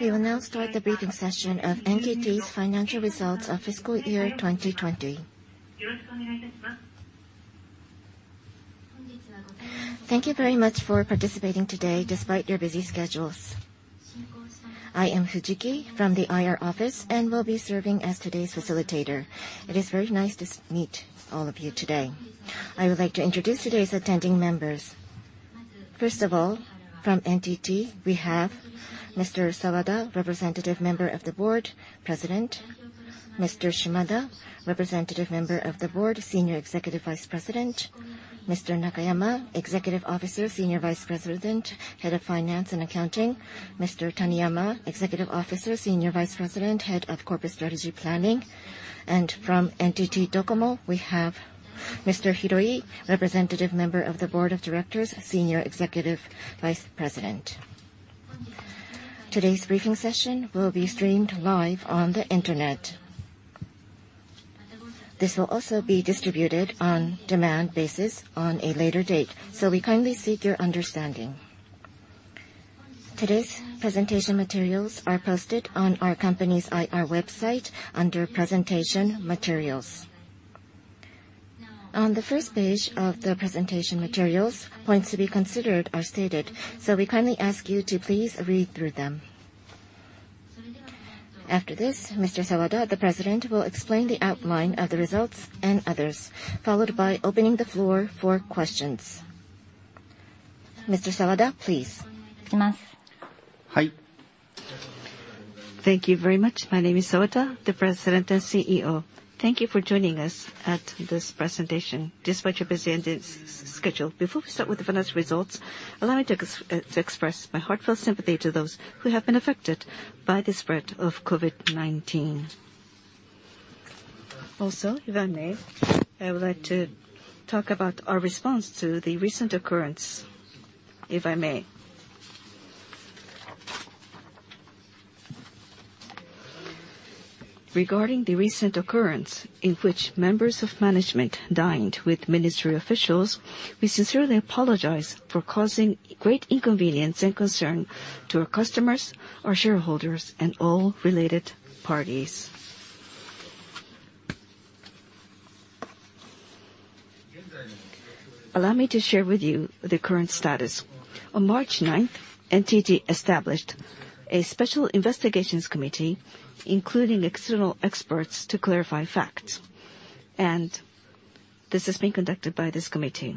We will now start the briefing session of NTT's Financial Results of Fiscal Year 2020. Thank you very much for participating today despite your busy schedules. I am Fujiki from the IR office and will be serving as today's facilitator. It is very nice to meet all of you today. I would like to introduce today's attending members. First of all, from NTT, we have Mr. Sawada, Representative Member of the Board, President. Mr. Shimada, Representative Member of the Board, Senior Executive Vice President. Mr. Nakayama, executive officer, Senior Vice President, Head of Finance and Accounting. Mr. Taniyama, executive officer, Senior Vice President, Head of Corporate Strategy Planning. From NTT DOCOMO, we have Mr. Hiroi, Representative Member of the Board of Directors, Senior Executive Vice President. Today's briefing session will be streamed live on the internet. This will also be distributed on demand basis on a later date. We kindly seek your understanding. Today's presentation materials are posted on our company's IR website under presentation materials. On the first page of the presentation materials, points to be considered are stated. We kindly ask you to please read through them. After this, Mr. Sawada, the president, will explain the outline of the results and others, followed by opening the floor for questions. Mr. Sawada, please. Hi. Thank you very much. My name is Sawada, the president and CEO. Thank you for joining us at this presentation, despite your busy schedule. Before we start with the financial results, allow me to express my heartfelt sympathy to those who have been affected by the spread of COVID-19. If I may, I would like to talk about our response to the recent occurrence, if I may. Regarding the recent occurrence in which members of management dined with ministry officials, we sincerely apologize for causing great inconvenience and concern to our customers, our shareholders, and all related parties. Allow me to share with you the current status. On March 9th, NTT established a special investigations committee, including external experts, to clarify facts. This is being conducted by this committee.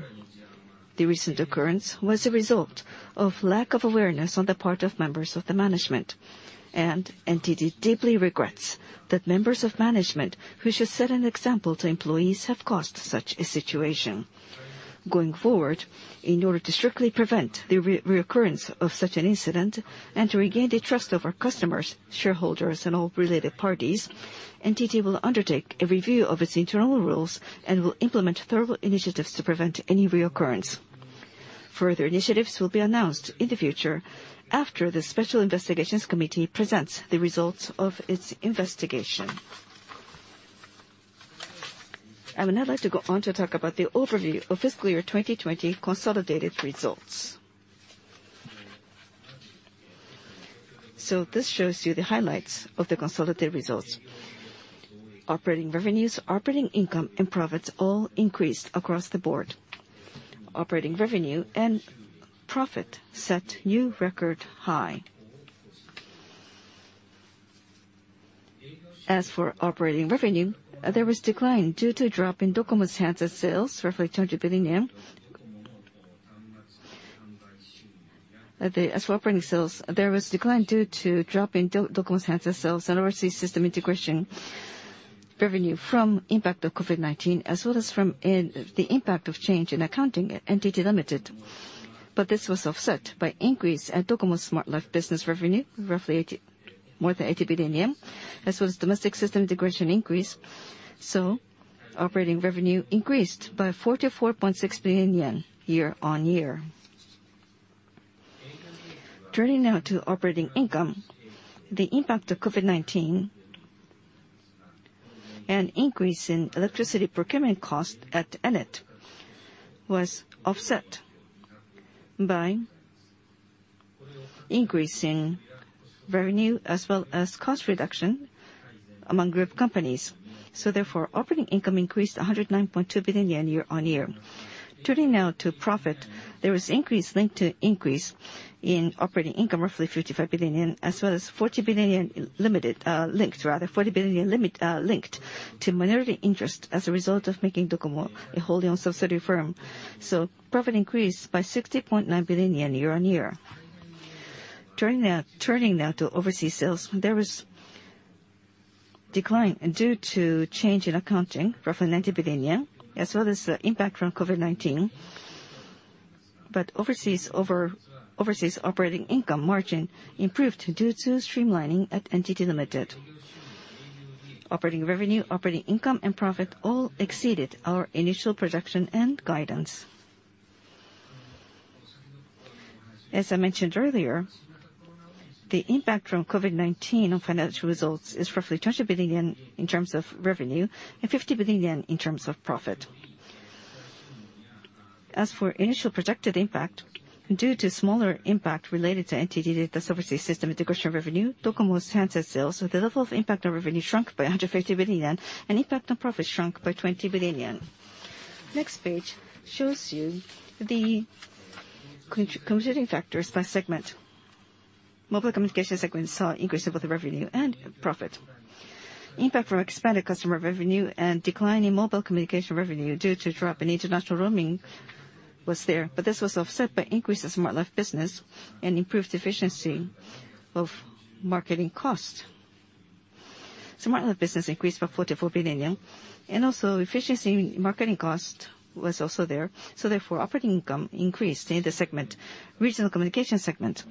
The recent occurrence was a result of lack of awareness on the part of members of the management, and NTT deeply regrets that members of management who should set an example to employees have caused such a situation. Going forward, in order to strictly prevent the recurrence of such an incident and to regain the trust of our customers, shareholders, and all related parties, NTT will undertake a review of its internal rules and will implement thorough initiatives to prevent any reoccurrence. Further initiatives will be announced in the future after the special investigations committee presents the results of its investigation. I would now like to go on to talk about the overview of fiscal year 2020 consolidated results. This shows you the highlights of the consolidated results. Operating revenues, operating income, and profits all increased across the board. Operating revenue and profit set new record high. For operating revenue, there was decline due to drop in DOCOMO's handset sales, roughly 200 billion yen. For operating sales, there was decline due to drop in DOCOMO's handset sales and overseas system integration revenue from impact of COVID-19, as well as from the impact of change in accounting at NTT Ltd. This was offset by increase at DOCOMO's Smart Life business revenue, roughly more than 80 billion yen, as well as domestic system integration increase. Operating revenue increased by 44.6 billion yen year-on-year. Turning now to operating income. The impact of COVID-19 and increase in electricity procurement cost at NTT Anode Energy was offset by increasing revenue as well as cost reduction among group companies. Therefore, operating income increased 109.2 billion yen year-on-year. Turning now to profit. There was increase linked to increase in operating income, roughly 55 billion yen, as well as 40 billion yen linked to minority interest as a result of making DOCOMO a wholly owned subsidiary firm. Profit increased by 60.9 billion yen year on year. Turning now to overseas sales, there was decline due to change in accounting, roughly 90 billion yen, as well as impact from COVID-19. Overseas operating income margin improved due to streamlining at NTT Ltd. Operating revenue, operating income, and profit all exceeded our initial projection and guidance. As I mentioned earlier, the impact from COVID-19 on financial results is roughly 20 billion in terms of revenue, and 50 billion in terms of profit. As for initial projected impact, due to smaller impact related to NTT Data overseas system integration revenue, DOCOMO's handset sales, the level of impact on revenue shrunk by 150 billion yen, and impact on profit shrunk by 20 billion yen. Next page shows you the contributing factors by segment. Mobile Communication segment saw increase of both revenue and profit. Impact from expanded customer revenue and decline in mobile communication revenue due to drop in international roaming was there. This was offset by increase in Smart Life business and improved efficiency of marketing cost. Smart Life business increased by 44 billion. Efficiency in marketing cost was also there, operating income increased in the segment. Regional Communication segment.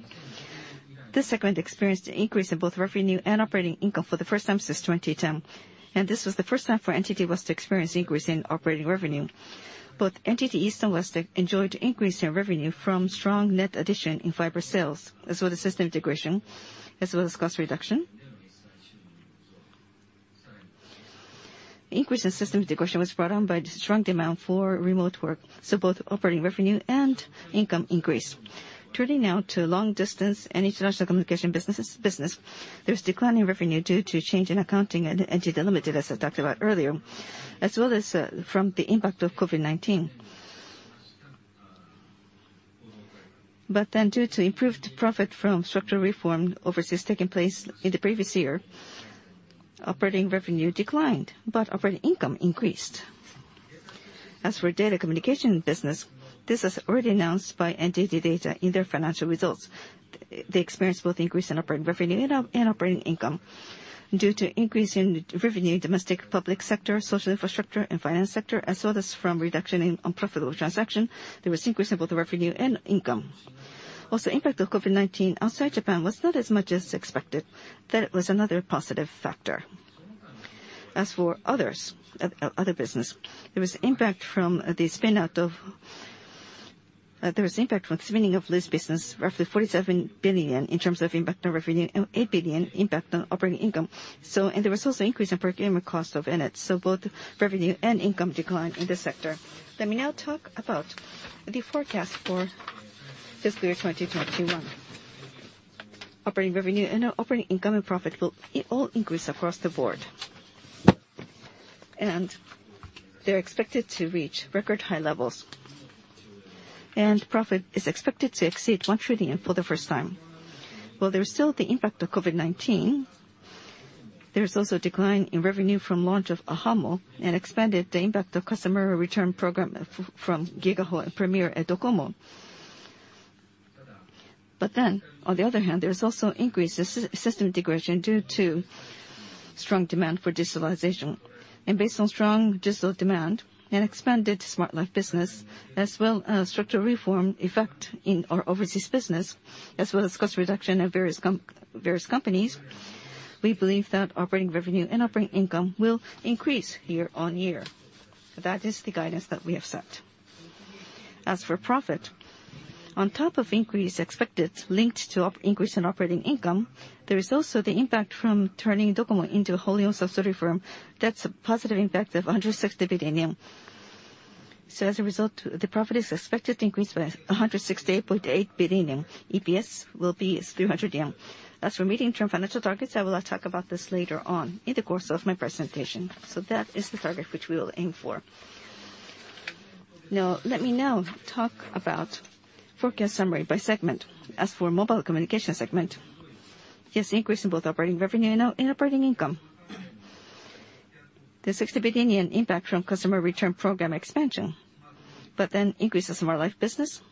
This segment experienced an increase in both revenue and operating income for the first time since 2010. This was the first time for NTT West to experience increase in operating revenue. Both NTT East and West enjoyed increase in revenue from strong net addition in fiber sales, as well as system integration, as well as cost reduction. Increase in system integration was brought on by the strong demand for remote work, so both operating revenue and income increased. Turning now to long distance and international communication business. There's decline in revenue due to change in accounting at NTT Ltd., as I talked about earlier, as well as from the impact of COVID-19. Due to improved profit from structural reform overseas taking place in the previous year, operating revenue declined, but operating income increased. As for data communication business, this was already announced by NTT Data in their financial results. They experienced both increase in operating revenue and operating income. Due to increase in revenue, domestic public sector, social infrastructure, and finance sector, as well as from reduction in unprofitable transaction, there was increase in both revenue and income. Impact of COVID-19 outside Japan was not as much as expected. That was another positive factor. There was impact from the spinning of Leasing business, roughly 47 billion in terms of impact on revenue, and 8 billion impact on operating income. There was also increase in per unit cost of ANET, so both revenue and income declined in this sector. Let me now talk about the forecast for fiscal year 2021. Operating revenue and operating income and profit will all increase across the board. They're expected to reach record high levels. Profit is expected to exceed 1 trillion for the first time. While there is still the impact of COVID-19, there is also a decline in revenue from launch of ahamo and expanded the impact of customer return program from Gigaho and Premier at DOCOMO. On the other hand, there is also increase in system integration due to strong demand for digitalization. Based on strong digital demand and expanded Smart Life business, as well structural reform effect in our overseas business, as well as cost reduction in various companies, we believe that operating revenue and operating income will increase year-on-year. That is the guidance that we have set. As for profit, on top of increase expected linked to increase in operating income, there is also the impact from turning DOCOMO into a wholly owned subsidiary firm. That's a positive impact of 160 billion yen. As a result, the profit is expected to increase by 168.8 billion yen. EPS will be 300 yen. As for meeting term financial targets, I will talk about this later on in the course of my presentation. That is the target which we will aim for. Let me talk about forecast summary by segment. As for mobile communication segment, it has increase in both operating revenue and operating income. There's JPY 60 billion impact from customer return program expansion. Increase in Smart Life business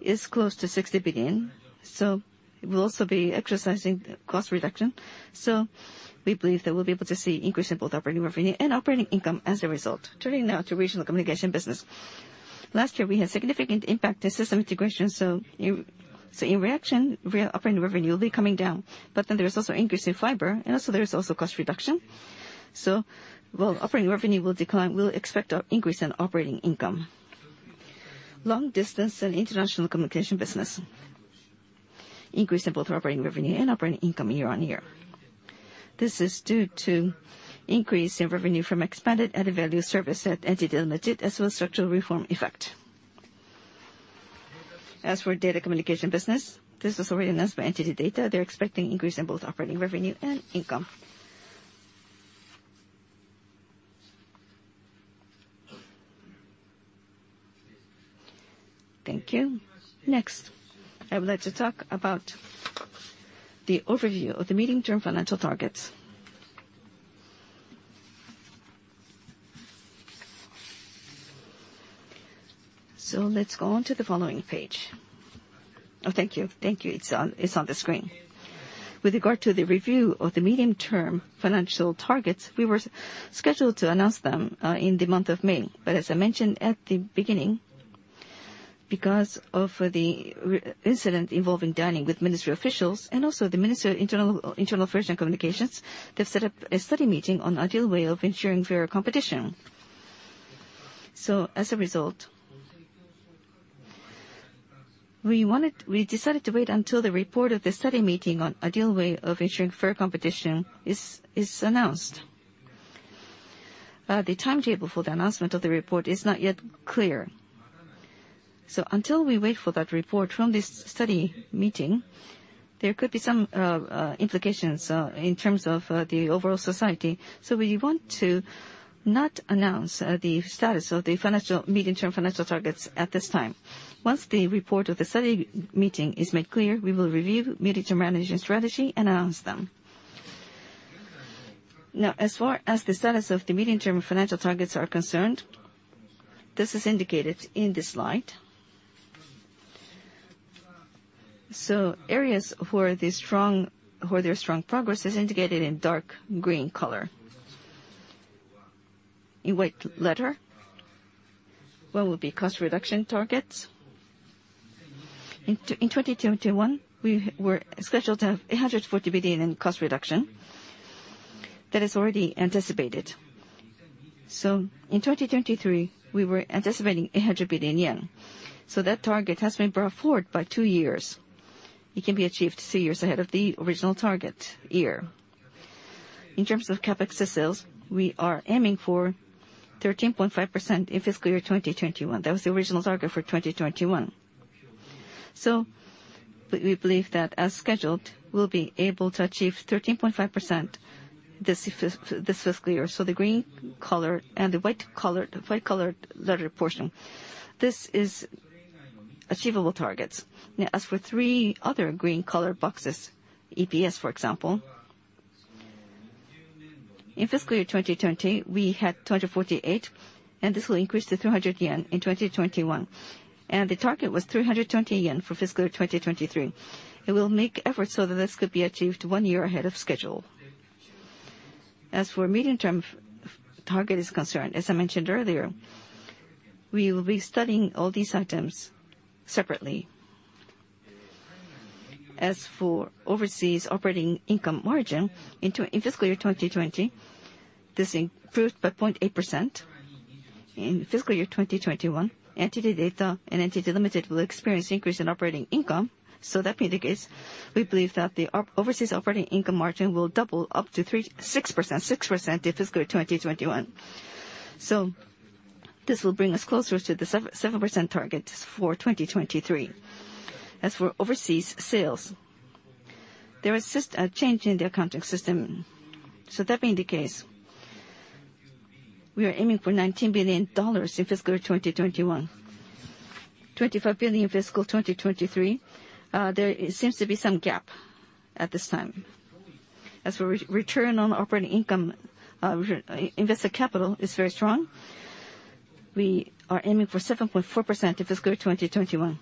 is close to 60 billion, we'll also be exercising cost reduction. We believe that we'll be able to see increase in both operating revenue and operating income as a result. Turning to regional communication business. Last year, we had significant impact to system integration, in reaction, operating revenue will be coming down. There is also increase in fiber, and also there is also cost reduction. While operating revenue will decline, we'll expect an increase in operating income. Long distance and international communication business. Increase in both operating revenue and operating income year-over-year. This is due to increase in revenue from expanded added-value service at NTT Ltd., as well as structural reform effect. As for data communication business, this was already announced by NTT Data. They're expecting increase in both operating revenue and income. Thank you. Next, I would like to talk about the overview of the medium-term financial targets. Let's go on to the following page. Thank you. Thank you. It's on the screen. With regard to the review of the medium-term financial targets, we were scheduled to announce them in the month of May. As I mentioned at the beginning, because of the incident involving dining with ministry officials, and also the Ministry of Internal Affairs and Communications, they've set up a study meeting on ideal way of ensuring fair competition. As a result, we decided to wait until the report of the study meeting on ideal way of ensuring fair competition is announced. The timetable for the announcement of the report is not yet clear. Until we wait for that report from this study meeting, there could be some implications in terms of the overall society. We want to not announce the status of the medium-term financial targets at this time. Once the report of the study meeting is made clear, we will review medium-term management strategy and announce them. As far as the status of the medium-term financial targets are concerned, this is indicated in this slide. Areas where there's strong progress is indicated in dark green color. In white letter, one will be cost reduction targets. In 2021, we were scheduled to have 140 billion in cost reduction. That is already anticipated. In 2023, we were anticipating 100 billion yen. That target has been brought forward by two years. It can be achieved two years ahead of the original target year. In terms of CapEx to sales, we are aiming for 13.5% in fiscal year 2021. That was the original target for 2021. We believe that as scheduled, we'll be able to achieve 13.5% this fiscal year. The green color and the white letter portion, this is achievable targets. Now, as for three other green color boxes, EPS, for example. In fiscal year 2020, we had 248, and this will increase to 300 yen in 2021. The target was 320 yen for fiscal 2023. It will make efforts so that this could be achieved one year ahead of schedule. Medium-term target is concerned, as I mentioned earlier, we will be studying all these items separately. Overseas operating income margin in fiscal year 2020, this improved by 0.8%. In fiscal year 2021, NTT Data and NTT Ltd. will experience increase in operating income. That being the case, we believe that the overseas operating income margin will double up to 6% in fiscal 2021. This will bring us closer to the 7% target for 2023. Overseas sales, there is a change in the accounting system. That being the case, we are aiming for $19 billion in fiscal 2021, $25 billion in fiscal 2023. There seems to be some gap at this time. As for return on operating income, invested capital is very strong. We are aiming for 7.4% in fiscal 2021.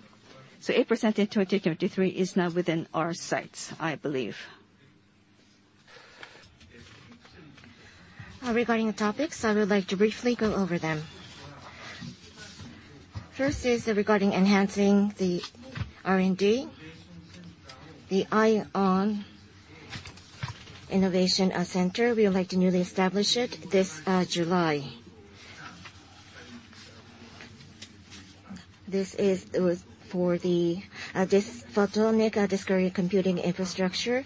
8% in 2023 is now within our sights, I believe. Regarding the topics, I would like to briefly go over them. First is regarding enhancing the R&D. The IOWN Integrated Innovation Center, we would like to newly establish it this July. This is for the photonic disaggregated computing infrastructure,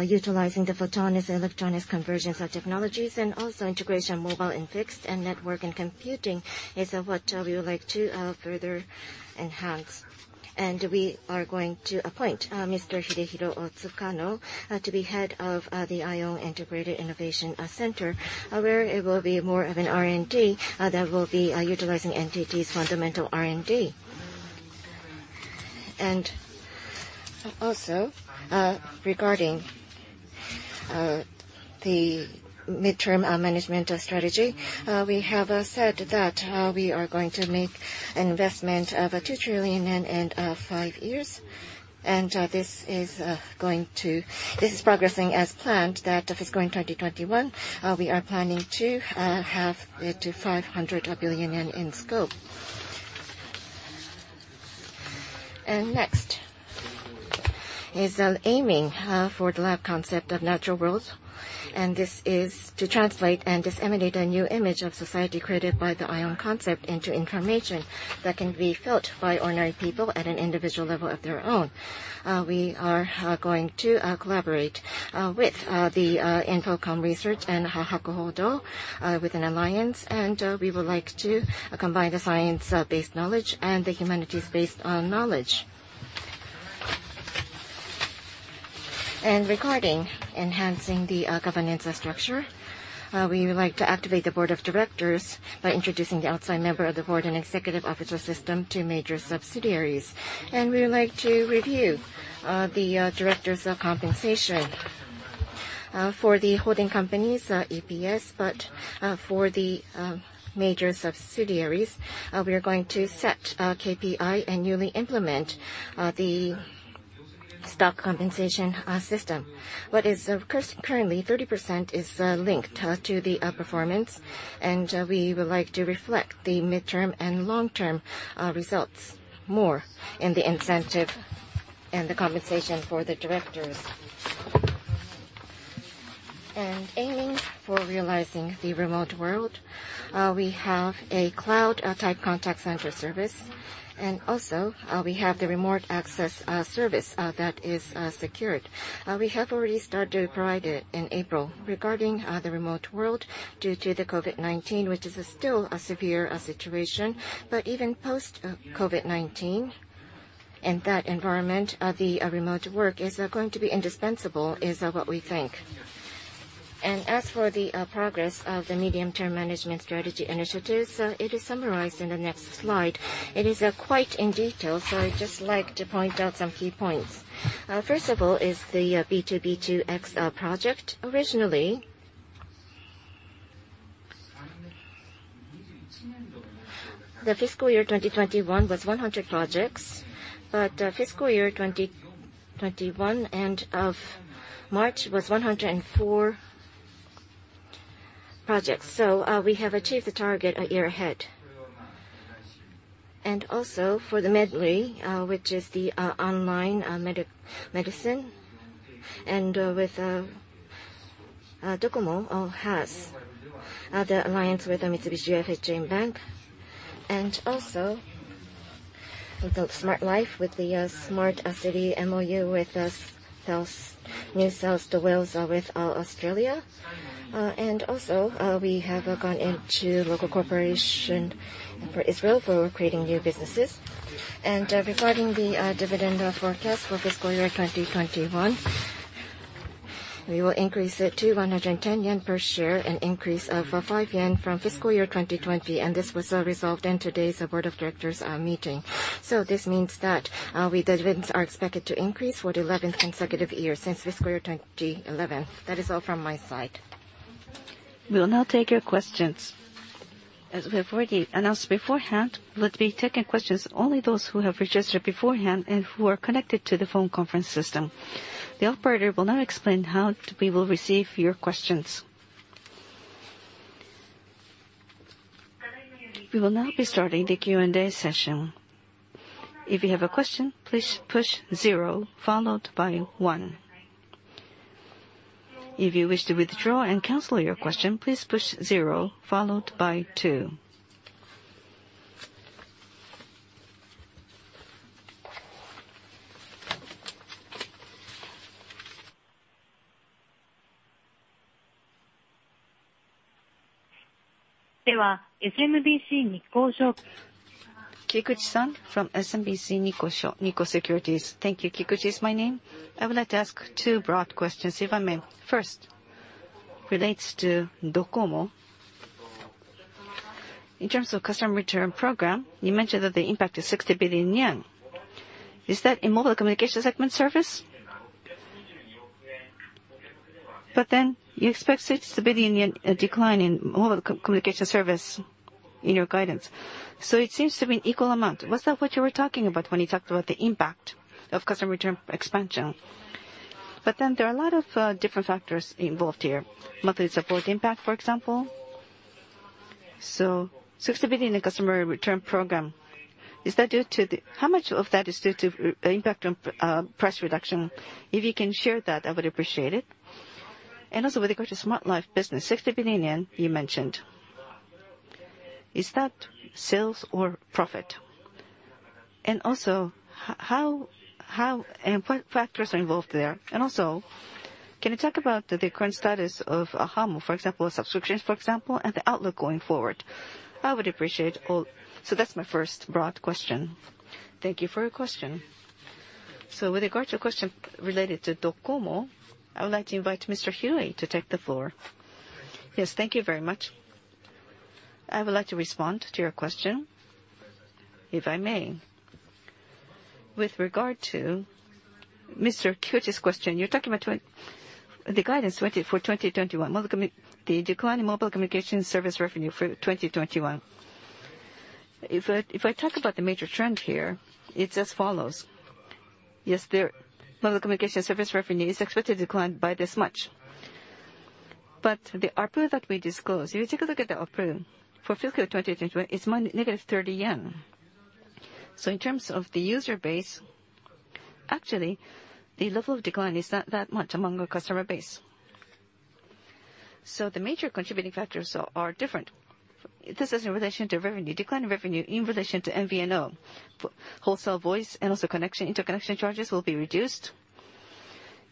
utilizing the photonics-electronics convergence of technologies, and also integration mobile and fixed, and network and computing is what we would like to further enhance. We are going to appoint Mr. Hidehiro Tsukano to be Head of the IOWN Integrated Innovation Center, where it will be more of an R&D that will be utilizing NTT's fundamental R&D. Regarding the midterm management strategy, we have said that we are going to make investment of 2 trillion yen in five years. This is progressing as planned that fiscal year 2021, we are planning to have it to 500 billion yen in scope. Next is aiming for the lab concept of Natural World. This is to translate and disseminate a new image of society created by the IOWN concept into information that can be felt by ordinary people at an individual level of their own. We are going to collaborate with the InfoCom Research and Hakuhodo with an alliance, and we would like to combine the science-based knowledge and the humanities-based knowledge. Regarding enhancing the governance structure, we would like to activate the board of directors by introducing the outside member of the board and executive officer system to major subsidiaries. We would like to review the directors' compensation. For the holding companies, EPS, but for the major subsidiaries, we are going to set KPI and newly implement the stock compensation system. What is currently 30% is linked to the performance, we would like to reflect the midterm and long-term results more in the incentive and the compensation for the directors. Aiming for realizing the remote world, we have a cloud-type contact center service. Also, we have the remote access service that is secured. We have already started to provide it in April. Regarding the remote world, due to the COVID-19, which is still a severe situation. Even post-COVID-19, in that environment, the remote work is going to be indispensable, is what we think. As for the progress of the medium-term management strategy initiatives, it is summarized in the next slide. It is quite in detail, so I'd just like to point out some key points. First of all is the B2B2X project. Originally, the fiscal year 2021 was 100 projects, but fiscal year 2021 end of March was 104 projects. We have achieved the target a year ahead. Also for the Medley, which is the online medicine, DOCOMO has the alliance with MUFG Bank. Also, we built Smart Life with the smart city MOU with New South Wales with Australia. Also, we have gone into local corporation for Israel for creating new businesses. Regarding the dividend forecast for fiscal year 2021, we will increase it to 110 yen per share, an increase of 5 yen from fiscal year 2020, and this was resolved in today's board of directors meeting. This means that our dividends are expected to increase for the 11th consecutive year since fiscal year 2011. That is all from my side. We will now take your questions. As we have already announced beforehand, we will be taking questions, only those who have registered beforehand and who are connected to the phone conference system. The operator will now explain how we will receive your questions. We will now be starting the Q&A session. If you have a question, please push 0 followed by one. If you wish to withdraw and cancel your question, please push 0 followed by two. Kikuchi-san from SMBC Nikko Securities. Thank you. Kikuchi is my name. I would like to ask two broad questions, if I may. Relates to DOCOMO. In terms of customer return program, you mentioned that the impact is 60 billion yen. Is that in mobile communication segment service? You expect JPY 60 billion decline in mobile communication service in your guidance. It seems to be an equal amount. Was that what you were talking about when you talked about the impact of customer return expansion? There are a lot of different factors involved here. Monthly support impact, for example. 60 billion in customer return program, how much of that is due to impact on price reduction? If you can share that, I would appreciate it. With regards to Smart Life business, 60 billion yen you mentioned. Is that sales or profit? What factors are involved there? Can you talk about the current status of ahamo? For example, subscriptions, for example, and the outlook going forward. I would appreciate all. That's my first broad question. Thank you for your question. With regard to your question related to DOCOMO, I would like to invite Mr. Hiroi to take the floor. Thank you very much. I would like to respond to your question, if I may. With regard to Mr. Kikuchi's question, you're talking about the guidance for 2021, the decline in mobile communication service revenue for 2021. If I talk about the major trend here, it's as follows. Mobile communication service revenue is expected to decline by this much. The ARPU that we disclose, if you take a look at the ARPU for fiscal year 2021, it's -30 yen. In terms of the user base, actually, the level of decline is not that much among our customer base. The major contributing factors are different. This is in relation to revenue, decline in revenue in relation to MVNO. Wholesale voice and also interconnection charges will be reduced.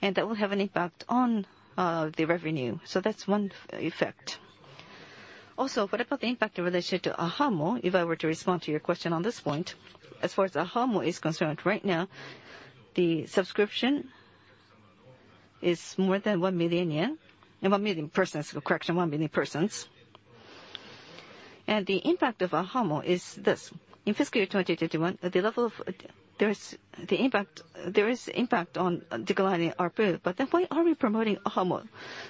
That will have an impact on the revenue. That's one effect. Also, what about the impact in relation to ahamo? If I were to respond to your question on this point, as far as ahamo is concerned, right now, the subscription is more than 1 million yen. 1 million persons, correction, 1 million persons. The impact of ahamo is this. In fiscal year 2021, there is impact on decline in ARPU. Why are we promoting ahamo?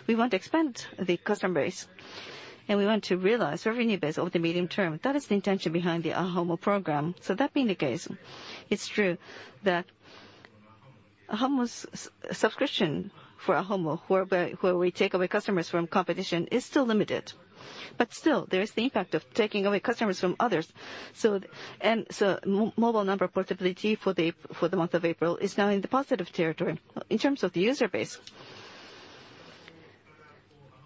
We want to expand the customer base, and we want to realize revenue base over the medium term. That is the intention behind the ahamo program. That being the case, it's true that subscription for ahamo, where we take away customers from competition, is still limited. Still, there is the impact of taking away customers from others. Mobile number portability for the month of April is now in the positive territory. In terms of the user base,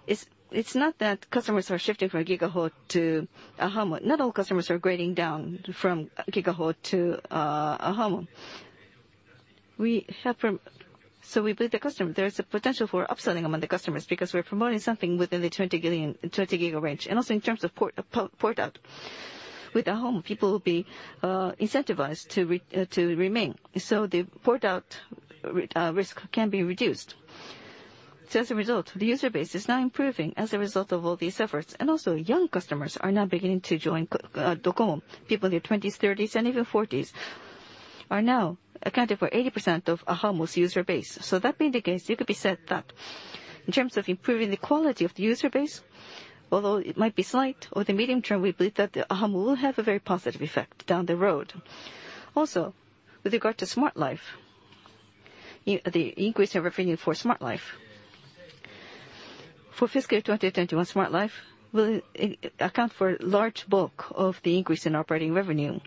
it's not that customers are shifting from Gigaho to ahamo. Not all customers are grading down from Gigaho to ahamo. We believe the customer, there's a potential for upselling among the customers because we're promoting something within the 20 GB range. Also, in terms of port-out. With ahamo, people will be incentivized to remain, so the port-out risk can be reduced. As a result, the user base is now improving as a result of all these efforts. Also, young customers are now beginning to join DOCOMO. People in their 20s, 30s, and even 40s, are now accounting for 80% of ahamo's user base. That being the case, it could be said that in terms of improving the quality of the user base, although it might be slight, over the medium term, we believe that ahamo will have a very positive effect down the road. With regard to Smart Life business, the increase in revenue for Smart Life business. For fiscal year 2021, Smart Life business will account for a large bulk of the increase in operating revenue.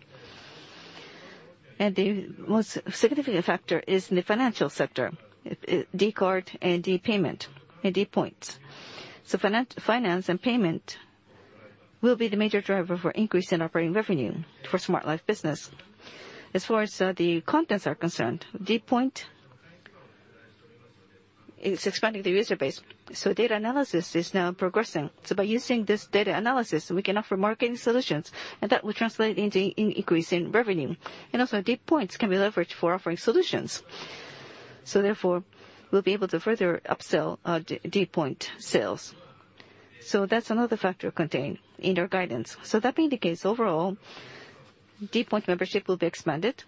The most significant factor is in the financial sector, d Card and d Payment and d POINT. Finance and payment will be the major driver for increase in operating revenue for Smart Life business. As far as the contents are concerned, d POINT is expanding the user base, so data analysis is now progressing. By using this data analysis, we can offer marketing solutions, and that will translate into an increase in revenue. Also d Points can be leveraged for offering solutions. Therefore, we'll be able to further upsell d Point sales. That's another factor contained in our guidance. That being the case, overall d Point membership will be expanded.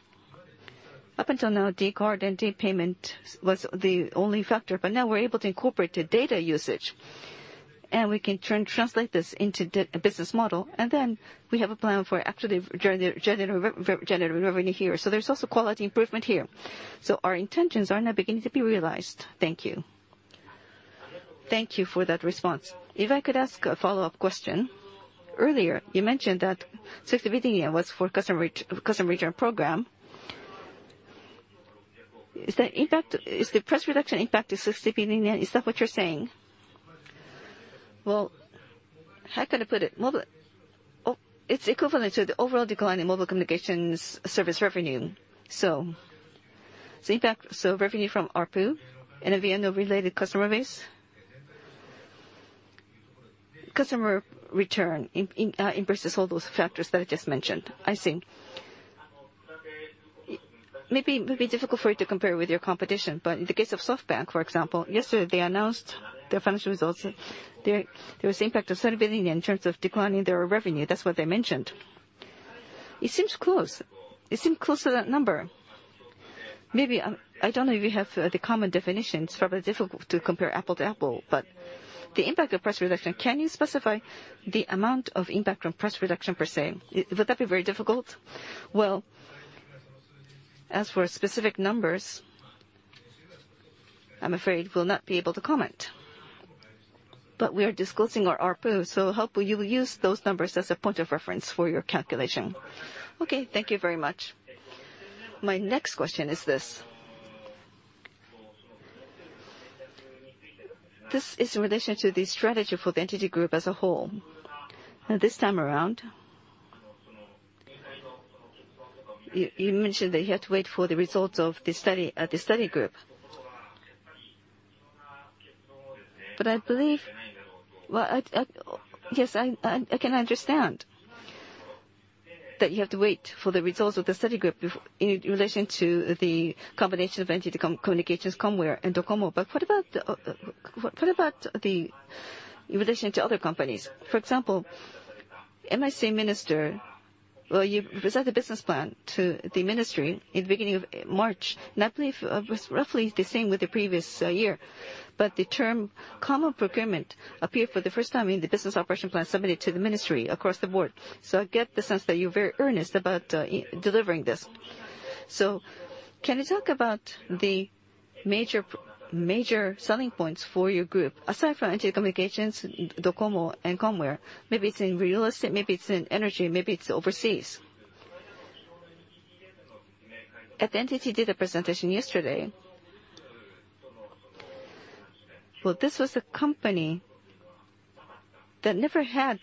Up until now, d Card and d Payment was the only factor, but now we're able to incorporate the data usage, and we can translate this into a business model. We have a plan for actually generating revenue here. There's also quality improvement here. Our intentions are now beginning to be realized. Thank you. Thank you for that response. If I could ask a follow-up question. Earlier you mentioned that 60 billion was for customer return program. Is the price reduction impact the 60 billion yen? Is that what you're saying? How can I put it? It's equivalent to the overall decline in mobile communications service revenue. Revenue from ARPU, and the end of related customer base, customer return, embraces all those factors that I just mentioned. I see. It would be difficult for you to compare with your competition, but in the case of SoftBank, for example, yesterday, they announced their financial results. There was the impact of 70 billion in terms of decline in their revenue. That's what they mentioned. It seems close. It seems close to that number. I don't know if you have the common definitions. Difficult to compare apple to apple, but the impact of price reduction, can you specify the amount of impact from price reduction per se? Would that be very difficult? As for specific numbers, I'm afraid we'll not be able to comment. We are disclosing our ARPU, so hopefully, you will use those numbers as a point of reference for your calculation. Okay. Thank you very much. My next question is this. This is in relation to the strategy for the NTT Group as a whole. This time around, you mentioned that you had to wait for the results of the study group. I believe yes, I can understand that you have to wait for the results of the study group in relation to the combination of NTT Communications, Comware, and DOCOMO. What about in relation to other companies? For example, MIC minister. You present the business plan to the ministry in the beginning of March. I believe it was roughly the same with the previous year. The term common procurement appeared for the first time in the business operation plan submitted to the ministry across the board. I get the sense that you're very earnest about delivering this. Can you talk about the major selling points for your group, aside from NTT Communications, DOCOMO, and Comware? Maybe it's in real estate, maybe it's in energy, maybe it's overseas. NTT did a presentation yesterday. This was a company that never had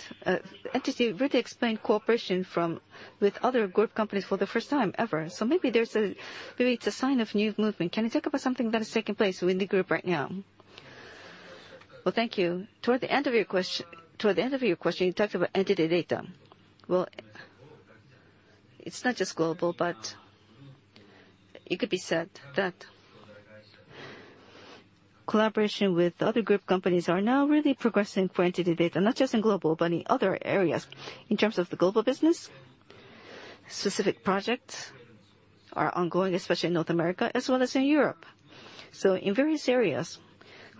NTT really explained cooperation with other group companies for the first time ever. Maybe it's a sign of new movement. Can you talk about something that is taking place within the group right now? Thank you. Toward the end of your question, you talked about NTT Data. Well, it's not just global, but it could be said that collaboration with other group companies are now really progressing for NTT Data, not just in global, but in other areas. In terms of the global business, specific projects are ongoing, especially in North America as well as in Europe. In various areas,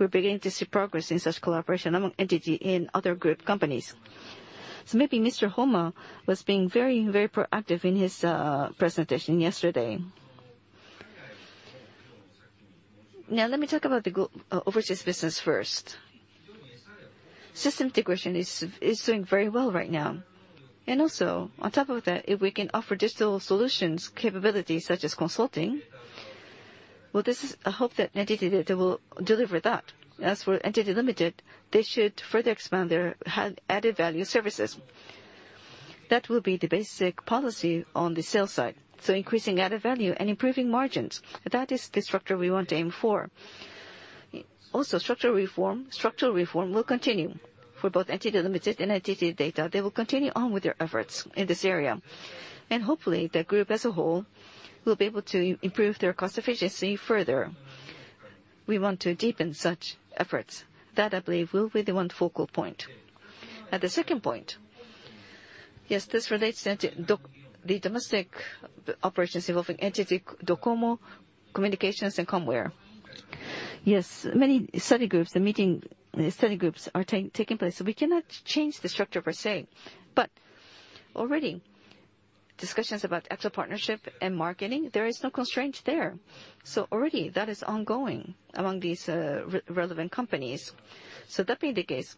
we're beginning to see progress in such collaboration among NTT and other group companies. Maybe Mr. Homma was being very proactive in his presentation yesterday. Now let me talk about the overseas business first. On top of that, if we can offer digital solutions capabilities such as consulting. Well, this is a hope that NTT Data will deliver that. As for NTT Limited, they should further expand their added-value services. That will be the basic policy on the sales side. Increasing added value and improving margins, that is the structure we want to aim for. Structural reform will continue for both NTT Ltd. and NTT Data. They will continue on with their efforts in this area, and hopefully, the group as a whole will be able to improve their cost efficiency further. We want to deepen such efforts. That, I believe, will be the one focal point. Now, the second point. Yes, this relates to the domestic operations involving NTT DOCOMO, NTT Communications, and NTT Comware. Yes. Many study groups are taking place. We cannot change the structure per se. Already, discussions about eco-partnership and marketing, there is no constraint there. Already that is ongoing among these relevant companies. That being the case,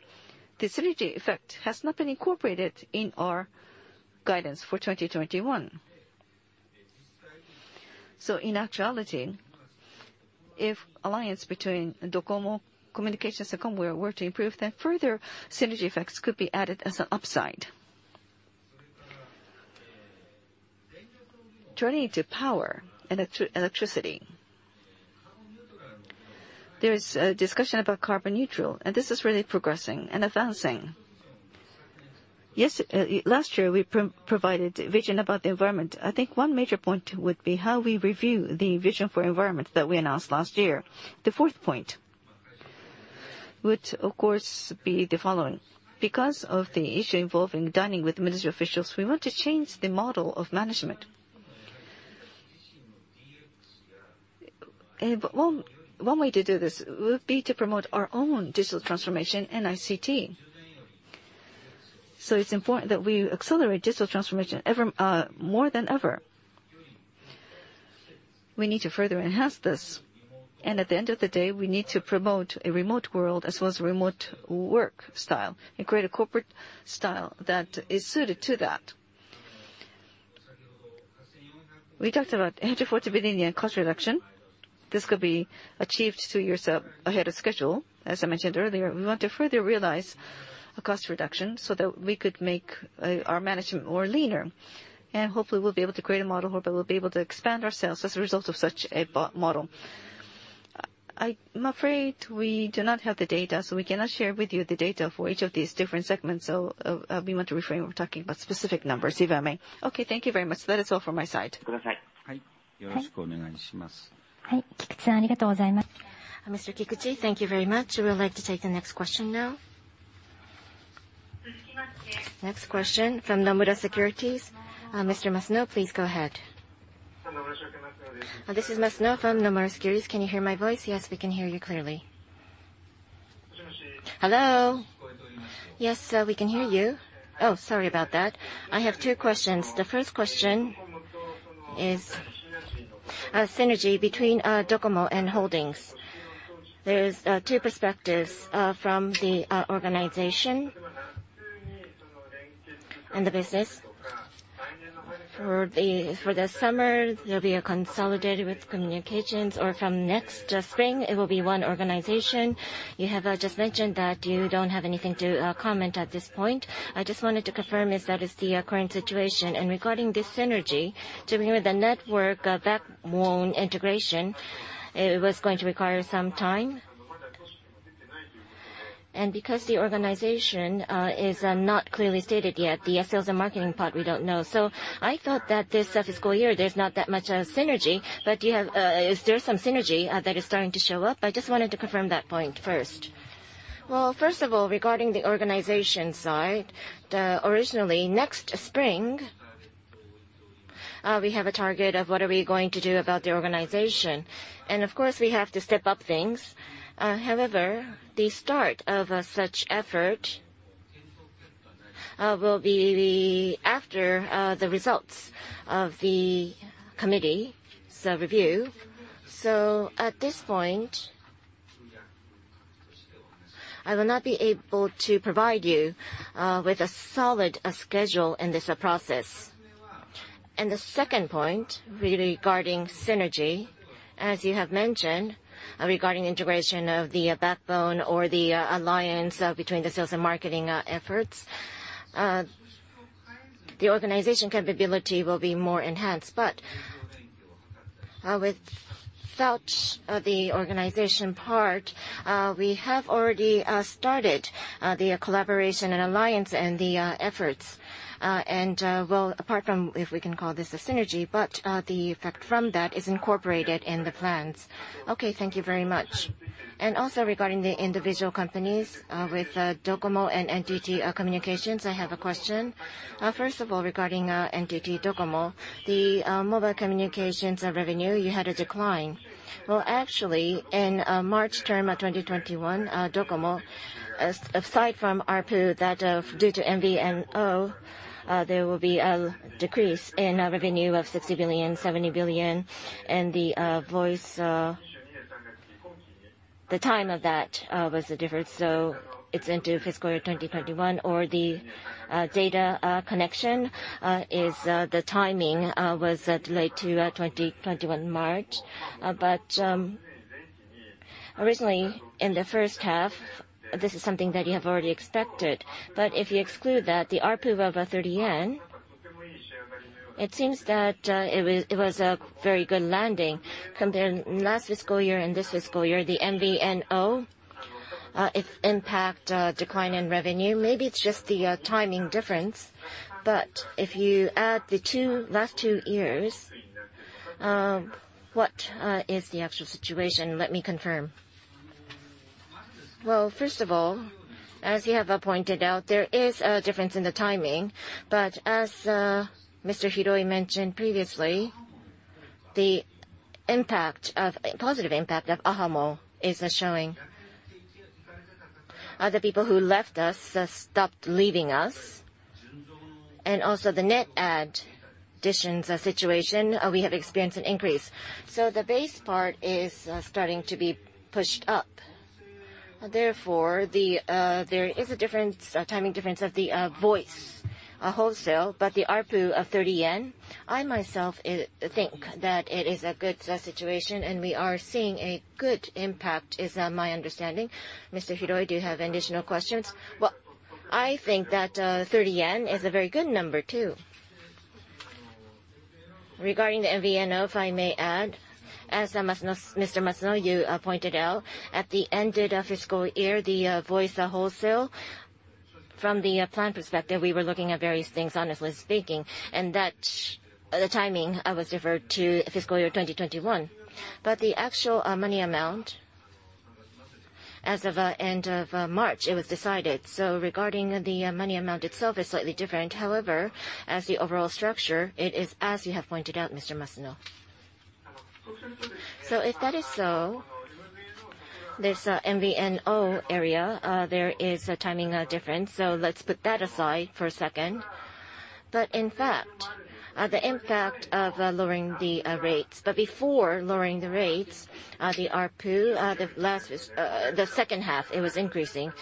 the synergy effect has not been incorporated in our guidance for 2021. In actuality, if alliance between DOCOMO, NTT Communications, and NTT Comware were to improve, then further synergy effects could be added as an upside. Turning to power and electricity. There is a discussion about carbon neutral, and this is really progressing and advancing. Last year, we provided vision about the environment. I think one major point would be how we review the vision for environment that we announced last year. The fourth point would, of course, be the following. Because of the issue involving dining with ministry officials, we want to change the model of management. One way to do this would be to promote our own digital transformation and ICT. It's important that we accelerate digital transformation more than ever. We need to further enhance this, and at the end of the day, we need to promote a remote world as well as remote work style and create a corporate style that is suited to that. We talked about JPY 1,400,000,000,000 cost reduction. This could be achieved two years ahead of schedule. As I mentioned earlier, we want to further realize a cost reduction so that we could make our management more leaner, and hopefully, we'll be able to create a model, hopefully we'll be able to expand ourselves as a result of such a model. I'm afraid we do not have the data, so we cannot share with you the data for each of these different segments. We want to refrain from talking about specific numbers, if I may. Okay, thank you very much. That is all from my side. Mr. Kikuchi, thank you very much. We would like to take the next question now. Next question from Nomura Securities. Mr. Masuno, please go ahead. This is Masuno from Nomura Securities. Can you hear my voice? Yes, we can hear you clearly. Hello? Yes, we can hear you. Oh, sorry about that. I have two questions. The first question is synergy between DOCOMO and Holdings. There's two perspectives from the organization and the business. For the summer, there'll be a consolidated with communications, or from next spring, it will be one organization. You have just mentioned that you don't have anything to comment at this point. I just wanted to confirm if that is the current situation. Regarding this synergy to hear the network backbone integration, it was going to require some time. Because the organization is not clearly stated yet, the sales and marketing part, we do not know. I thought that this fiscal year, there is not that much synergy. Is there some synergy that is starting to show up? I just wanted to confirm that point first. Well, first of all, regarding the organization side, originally, next spring, we have a target of what are we going to do about the organization. Of course, we have to step up things. However, the start of such effort will be after the results of the committee's review. At this point, I will not be able to provide you with a solid schedule in this process. The second point, regarding synergy, as you have mentioned, regarding integration of the backbone or the alliance between the sales and marketing efforts, the organization capability will be more enhanced. Without the organization part, we have already started the collaboration and alliance and the efforts. Well, apart from if we can call this a synergy, the effect from that is incorporated in the plans. Okay, thank you very much. Also regarding the individual companies with DOCOMO and NTT Communications, I have a question. First of all, regarding NTT DOCOMO, the mobile communications revenue, you had a decline. Well, actually, in March term of 2021, DOCOMO, aside from ARPU, that due to MVNO, there will be a decrease in revenue of 60 billion, 70 billion. The time of that was different, so it's into fiscal year 2021, or the data connection, the timing was delayed to 2021, March. Originally, in the first half, this is something that you have already expected. If you exclude that, the ARPU of 30 yen, it seems that it was a very good landing compared last fiscal year and this fiscal year, the MVNO impact decline in revenue. Maybe it's just the timing difference, but if you add the last two years, what is the actual situation? Let me confirm. Well, first of all, as you have pointed out, there is a difference in the timing. As Mr. Hiroi mentioned previously, the positive impact of ahamo is showing. The people who left us, stopped leaving us, and also the net additions situation, we have experienced an increase. The base part is starting to be pushed up. Therefore, there is a timing difference of the voice wholesale. The ARPU of 30 yen, I myself think that it is a good situation, and we are seeing a good impact, is my understanding. Mr. Hiroi, do you have additional questions? I think that 30 yen is a very good number, too. Regarding the MVNO, if I may add, as Mr. Masuno, you pointed out, at the end of fiscal year, the voice wholesale, from the plan perspective, we were looking at various things, honestly speaking, and the timing was deferred to fiscal year 2021. The actual money amount, as of end of March, it was decided. Regarding the money amount itself, it's slightly different. As the overall structure, it is as you have pointed out, Mr. Masuno. If that is so, this MVNO area, there is a timing difference. Let's put that aside for a second. In fact, the impact of lowering the rates, but before lowering the rates, the ARPU, the second half, it was increasing.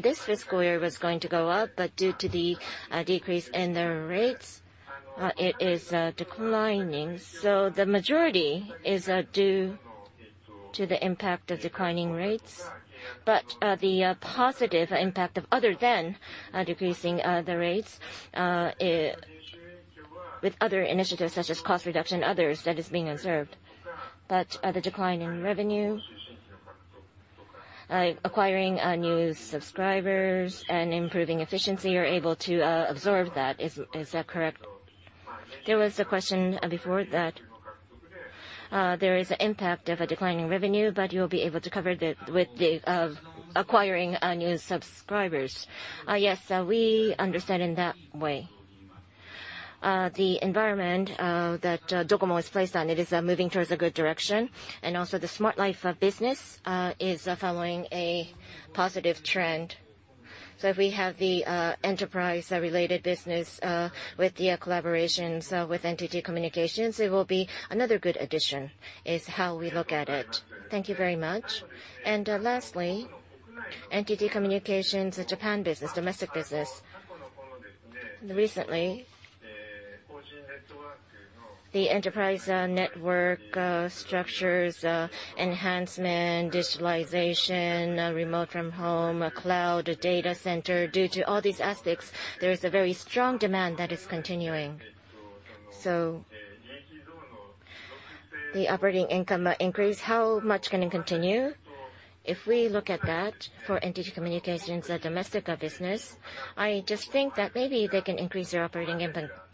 This fiscal year was going to go up, but due to the decrease in the rates, it is declining. The majority is due to the impact of declining rates. The positive impact of other than decreasing the rates, with other initiatives such as cost reduction, others, that is being observed. The decline in revenue, acquiring new subscribers and improving efficiency, you're able to absorb that, is that correct? There was a question before that there is an impact of a decline in revenue, but you'll be able to cover that with acquiring new subscribers. Yes, we understand in that way. The environment that DOCOMO is placed on, it is moving towards a good direction. Also the Smart Life business is following a positive trend. If we have the enterprise-related business with the collaborations with NTT Communications, it will be another good addition, is how we look at it. Thank you very much. Lastly, NTT Communications Japan business, domestic business. Recently, the enterprise network structures enhancement, digitalization, remote from home, cloud data center, due to all these aspects, there is a very strong demand that is continuing. The operating income increase, how much can it continue? If we look at that for NTT Communications, the domestic business, I just think that maybe they can increase their operating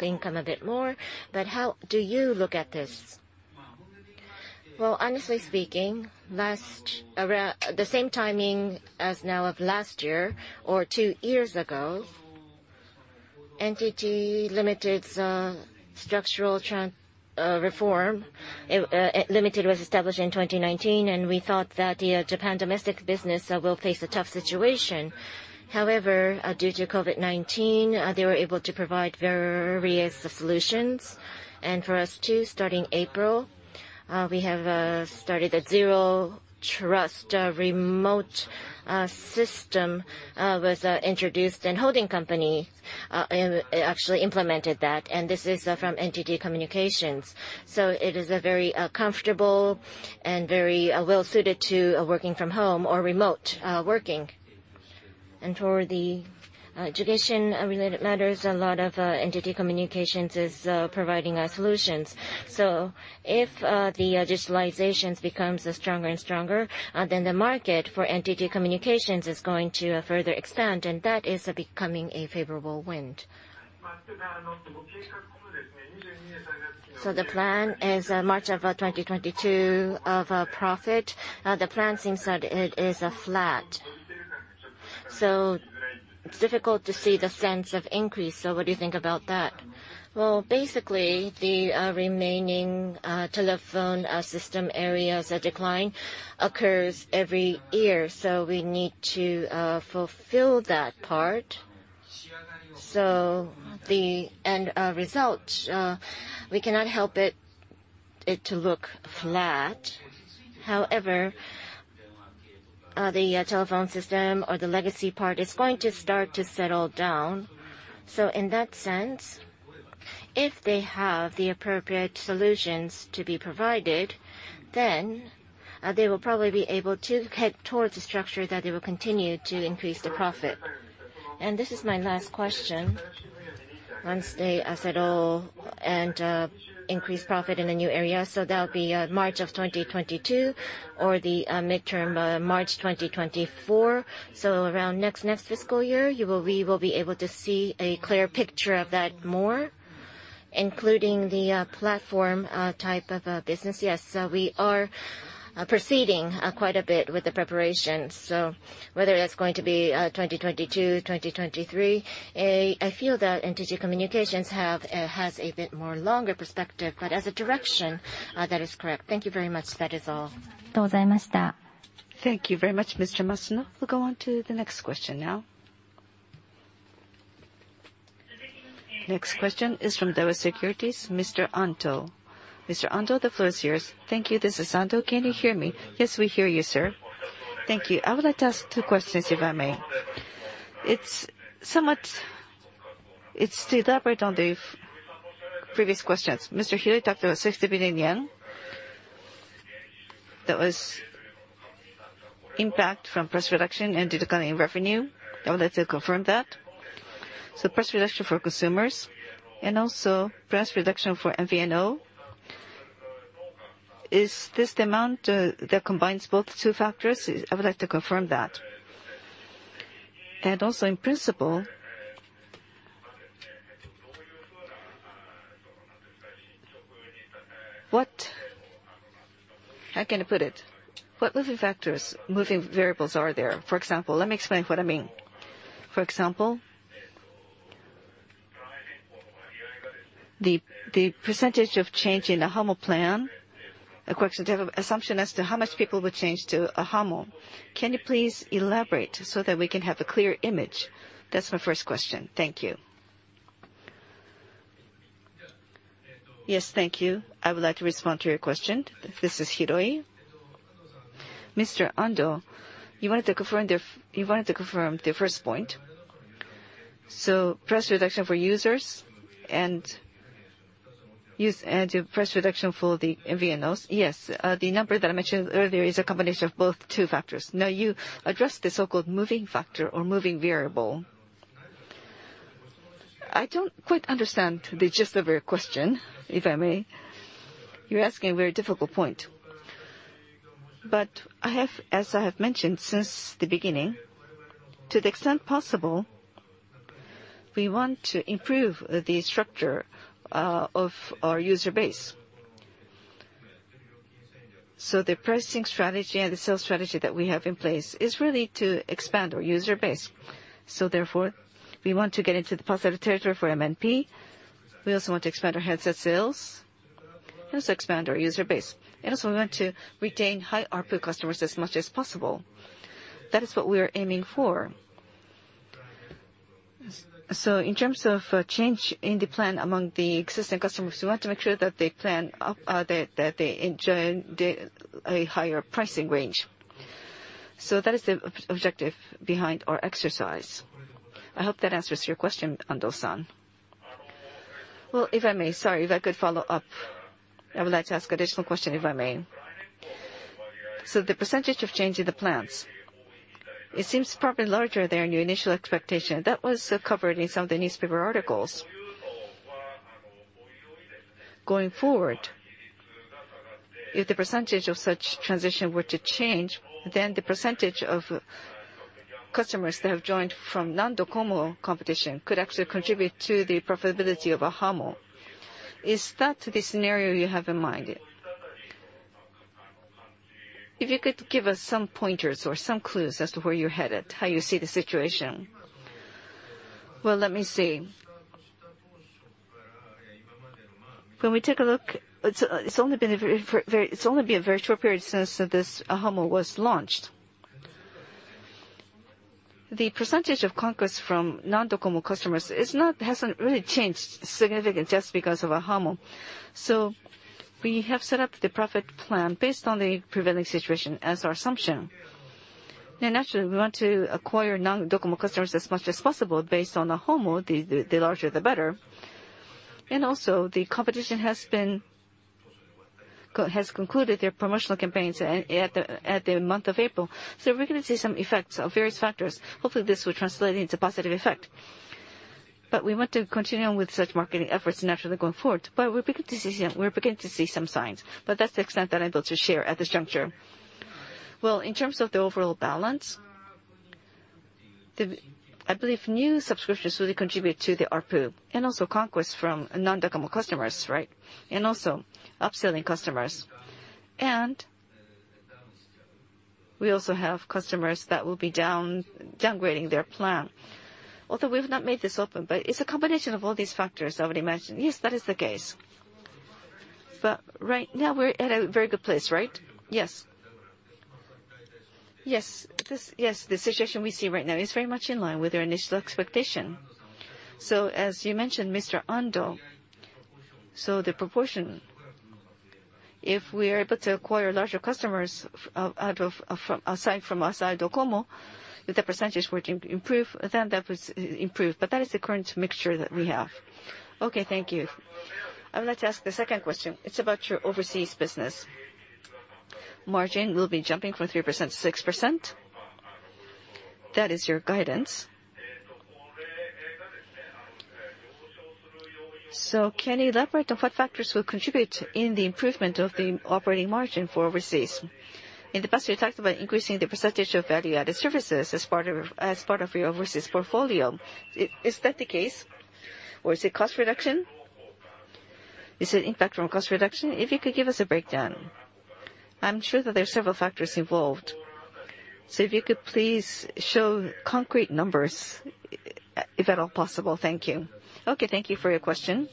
income a bit more. How do you look at this? Honestly speaking, the same timing as now of last year or two years ago, NTT Ltd.'s structural reform. NTT Ltd. was established in 2019, and we thought that the Japan domestic business will face a tough situation. However, due to COVID-19, they were able to provide various solutions. For us, too, starting April, we have started a zero-trust remote system, was introduced, and holding company actually implemented that, and this is from NTT Communications. It is very comfortable and very well-suited to working from home or remote working. For the education-related matters, a lot of NTT Communications is providing solutions. If the digitalizations becomes stronger and stronger, then the market for NTT Communications is going to further expand, and that is becoming a favorable wind. The plan is March of 2022 of a profit. The plan seems that it is flat. It's difficult to see the sense of increase. What do you think about that? Well, basically, the remaining telephone system areas decline occurs every year. We need to fulfill that part. The end result, we cannot help it to look flat. However, the telephone system or the legacy part is going to start to settle down. In that sense, if they have the appropriate solutions to be provided, then they will probably be able to head towards a structure that they will continue to increase the profit. This is my last question. Once they settle and increase profit in the new area, so that'll be March 2022 or the midterm March 2024. Around next fiscal year, we will be able to see a clearer picture of that more, including the platform type of business? Yes, we are proceeding quite a bit with the preparations. Whether that's going to be 2022, 2023, I feel that NTT Communications has a bit more longer perspective, but as a direction, that is correct. Thank you very much. That is all. Thank you very much, Mr. Masuno. We'll go on to the next question now. Next question is from Daiwa Securities, Mr. Ando. Mr. Ando, the floor is yours. Thank you. This is Ando. Can you hear me? Yes, we hear you, sir. Thank you. I would like to ask two questions, if I may. It's to elaborate on the previous questions. Mr. Hiroi talked about 60 billion yen that was impact from price reduction and declining revenue. I would like to confirm that. Price reduction for consumers and also price reduction for MVNO. Is this the amount that combines both two factors? I would like to confirm that. In principle, how can I put it? What moving factors, moving variables are there? For example, let me explain what I mean. For example, the percentage of change in the ahamo plan, of course, you have an assumption as to how much people would change to ahamo. Can you please elaborate so that we can have a clear image? That's my first question. Thank you. Yes. Thank you. I would like to respond to your question. This is Hiroi. Mr. Ando, you wanted to confirm the first point. Price reduction for users and price reduction for the MVNOs. Yes. The number that I mentioned earlier is a combination of both two factors. Now you address the so-called moving factor or moving variable. I don't quite understand the gist of your question, if I may. You're asking a very difficult point. As I have mentioned since the beginning, to the extent possible, we want to improve the structure of our user base. The pricing strategy and the sales strategy that we have in place is really to expand our user base. Therefore, we want to get into the positive territory for MNP. We also want to expand our handset sales and also expand our user base. We want to retain high ARPU customers as much as possible. That is what we are aiming for. In terms of change in the plan among the existing customers, we want to make sure that they plan up, or that they enjoy a higher pricing range. That is the objective behind our exercise. I hope that answers your question, Ando-san. Well, if I may, sorry, if I could follow up. I would like to ask additional question, if I may. The percentage of change in the plans, it seems probably larger than your initial expectation. That was covered in some of the newspaper articles. Going forward, if the percentage of such transition were to change, then the percentage of customers that have joined from non-DOCOMO competition could actually contribute to the profitability of ahamo. Is that the scenario you have in mind? If you could give us some pointers or some clues as to where you're headed, how you see the situation. Well, let me see. When we take a look, it's only been a very short period since this ahamo was launched. The percentage of conquests from non-DOCOMO customers hasn't really changed significant just because of ahamo. We have set up the profit plan based on the prevailing situation as our assumption. Naturally, we want to acquire non-DOCOMO customers as much as possible based on ahamo, the larger the better. The competition has concluded their promotional campaigns at the month of April. We're going to see some effects of various factors. Hopefully, this will translate into positive effect. We want to continue on with such marketing efforts naturally going forward. We're beginning to see some signs. That's the extent that I'm able to share at this juncture. Well, in terms of the overall balance, I believe new subscriptions really contribute to the ARPU, and also conquests from non-DOCOMO customers, right? Also upselling customers. We also have customers that will be downgrading their plan. Although we have not made this open, but it's a combination of all these factors I would imagine. Yes, that is the case. Right now, we're at a very good place, right? Yes. Yes. The situation we see right now is very much in line with our initial expectation. As you mentioned, Mr. Ando, so the proportion, if we are able to acquire larger customers aside from outside DOCOMO, the percentage would improve. That would improve. That is the current mixture that we have. Okay. Thank you. I would like to ask the second question. It's about your overseas business. Margin will be jumping from 3% to 6%. That is your guidance. Can you elaborate on what factors will contribute in the improvement of the operating margin for overseas? In the past, you talked about increasing the percentage of value-added services as part of your overseas portfolio. Is that the case, or is it impact from cost reduction? If you could give us a breakdown. I'm sure that there are several factors involved, so if you could please show concrete numbers, if at all possible. Thank you. Okay. Thank you for your question.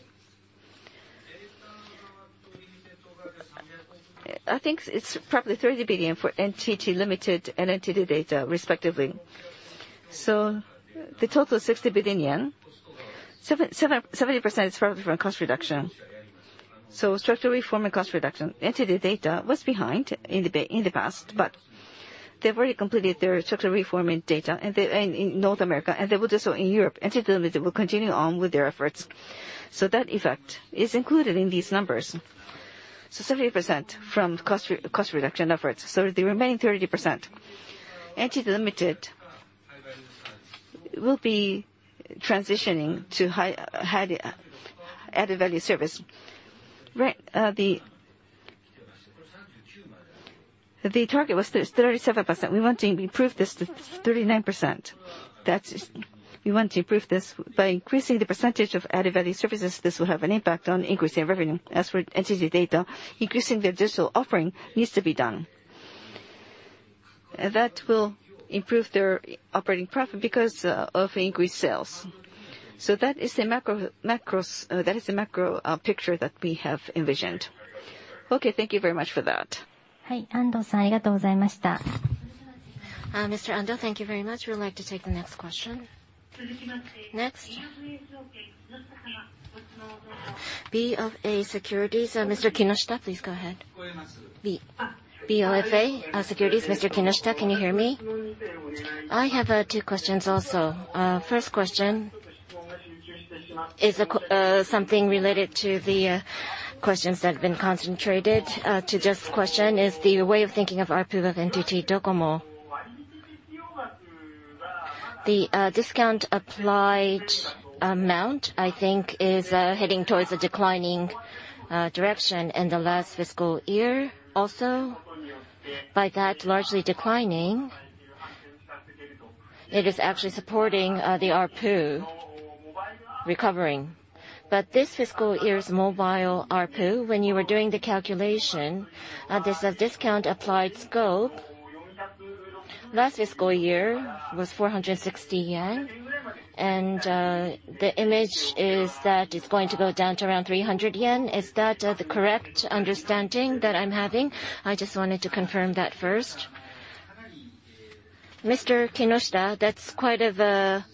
I think it's probably 30 billion for NTT Ltd. and NTT Data, respectively. The total is 60 billion yen, 70% is probably from cost reduction. Structural reform and cost reduction. NTT Data was behind in the past, they've already completed their structural reform in Data in North America, and they will do so in Europe. NTT Ltd. will continue on with their efforts. That effect is included in these numbers. 70% from cost reduction efforts. The remaining 30%, NTT Ltd. will be transitioning to added value service. The target was 37%. We want to improve this to 39%. We want to improve this by increasing the percentage of added value services. This will have an impact on increasing revenue. NTT Data, increasing their digital offering needs to be done. That will improve their operating profit because of increased sales. That is the macro picture that we have envisioned. Okay, thank you very much for that. Mr. Ando, thank you very much. We would like to take the next question. Next. BofA Securities, Mr. Kinoshita, please go ahead. BofA Securities, Mr. Kinoshita, can you hear me? I have two questions also. The first question is something related to the questions that have been concentrated. To just question is the way of thinking of ARPU of NTT DOCOMO. The discount applied amount, I think, is heading towards a declining direction in the last fiscal year. By that largely declining, it is actually supporting the ARPU recovering. This fiscal year's mobile ARPU, when you were doing the calculation, there's a discount applied scope. Last fiscal year was 460 yen, and the image is that it's going to go down to around 300 yen. Is that the correct understanding that I'm having? I just wanted to confirm that first. Mr. Kinoshita, that's quite of a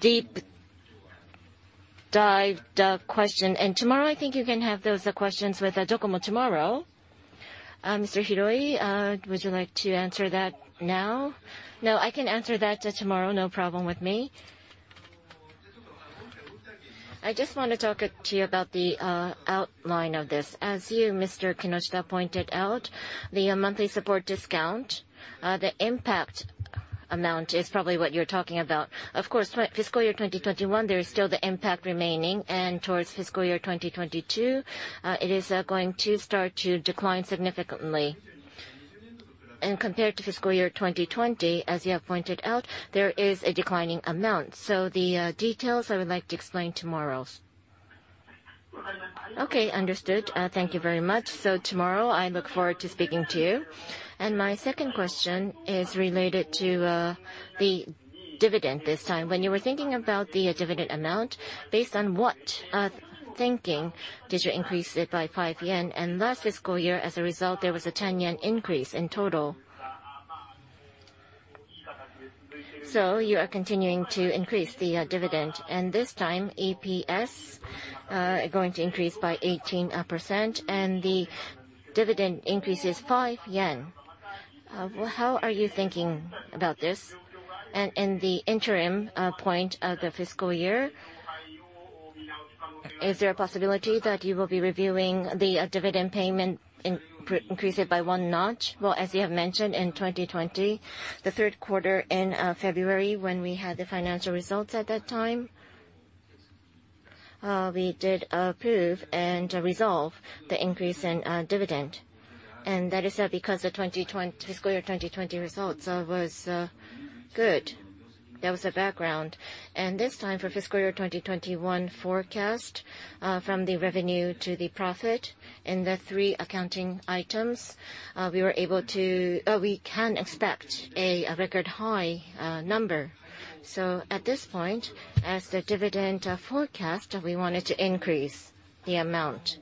deep dive question. Tomorrow, I think you can have those questions with DOCOMO tomorrow. Mr. Hiroi, would you like to answer that now? No. I can answer that tomorrow. No problem with me. I just want to talk to you about the outline of this. As you, Mr. Kinoshita, pointed out, the monthly support discount, the impact amount is probably what you're talking about. Of course, fiscal year 2021, there is still the impact remaining, and towards fiscal year 2022, it is going to start to decline significantly. Compared to fiscal year 2020, as you have pointed out, there is a declining amount. The details, I would like to explain tomorrow. Okay, understood. Thank you very much. Tomorrow, I look forward to speaking to you. My second question is related to the dividend this time. When you were thinking about the dividend amount, based on what thinking did you increase it by 5 yen? Last fiscal year, as a result, there was a 10 yen increase in total. You are continuing to increase the dividend, and this time, EPS going to increase by 18%, and the dividend increase is 5 yen. How are you thinking about this? In the interim point of the fiscal year, is there a possibility that you will be reviewing the dividend payment, increase it by one notch? As you have mentioned, in 2020, the third quarter in February, when we had the financial results at that time, we did approve and resolve the increase in dividend. That is because the fiscal year 2020 results was good. That was the background. This time, for fiscal year 2021 forecast, from the revenue to the profit in the three accounting items, we can expect a record high number. At this point, as the dividend forecast, we wanted to increase the amount.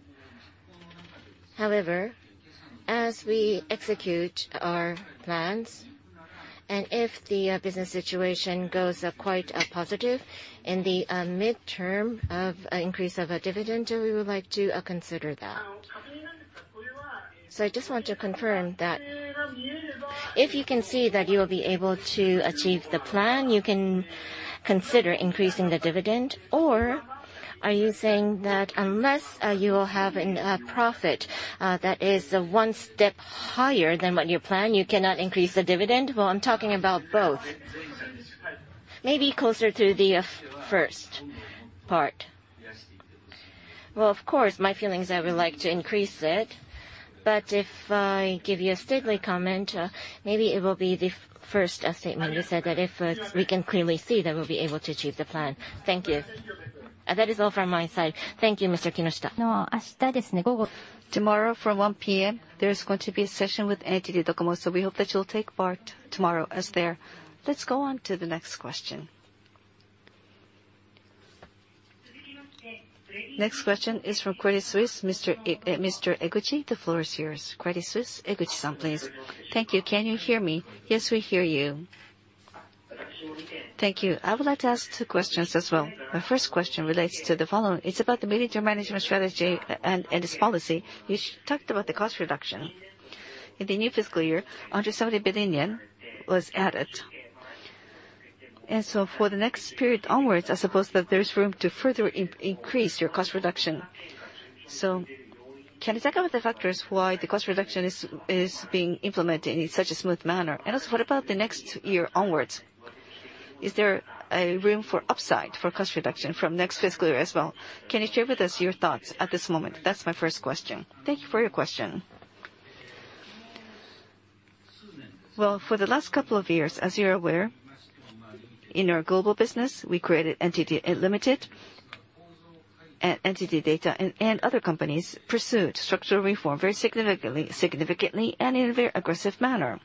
As we execute our plans, and if the business situation goes quite positive in the midterm of increase of dividend, we would like to consider that. I just want to confirm that if you can see that you will be able to achieve the plan, you can consider increasing the dividend, or are you saying that unless you will have a profit that is one step higher than what you plan, you cannot increase the dividend? I'm talking about both. Maybe closer to the first part. Of course, my feeling is I would like to increase it, but if I give you a stately comment, maybe it will be the first statement. You said that if we can clearly see that we'll be able to achieve the plan. Thank you. That is all from my side. Thank you, Mr. Kinoshita. Tomorrow from 1:00 P.M., there is going to be a session with NTT DOCOMO, so we hope that you'll take part tomorrow as there. Let's go on to the next question. Next question is from Credit Suisse, Mr. Eguchi, the floor is yours. Credit Suisse, Eguchi-san, please. Thank you. Can you hear me? Yes, we hear you. Thank you. I would like to ask two questions as well. My first question relates to the following. It's about the mid-term management strategy, and its policy. You talked about the cost reduction. In the new fiscal year, 170 billion yen was added. For the next period onwards, I suppose that there's room to further increase your cost reduction. Can you talk about the factors why the cost reduction is being implemented in such a smooth manner? What about the next year onwards? Is there room for upside for cost reduction from next fiscal year as well? Can you share with us your thoughts at this moment? That's my first question. Thank you for your question. Well, for the last couple of years, as you're aware, in our global business, we created NTT Ltd. NTT Data and other companies pursued structural reform very significantly, and in a very aggressive manner.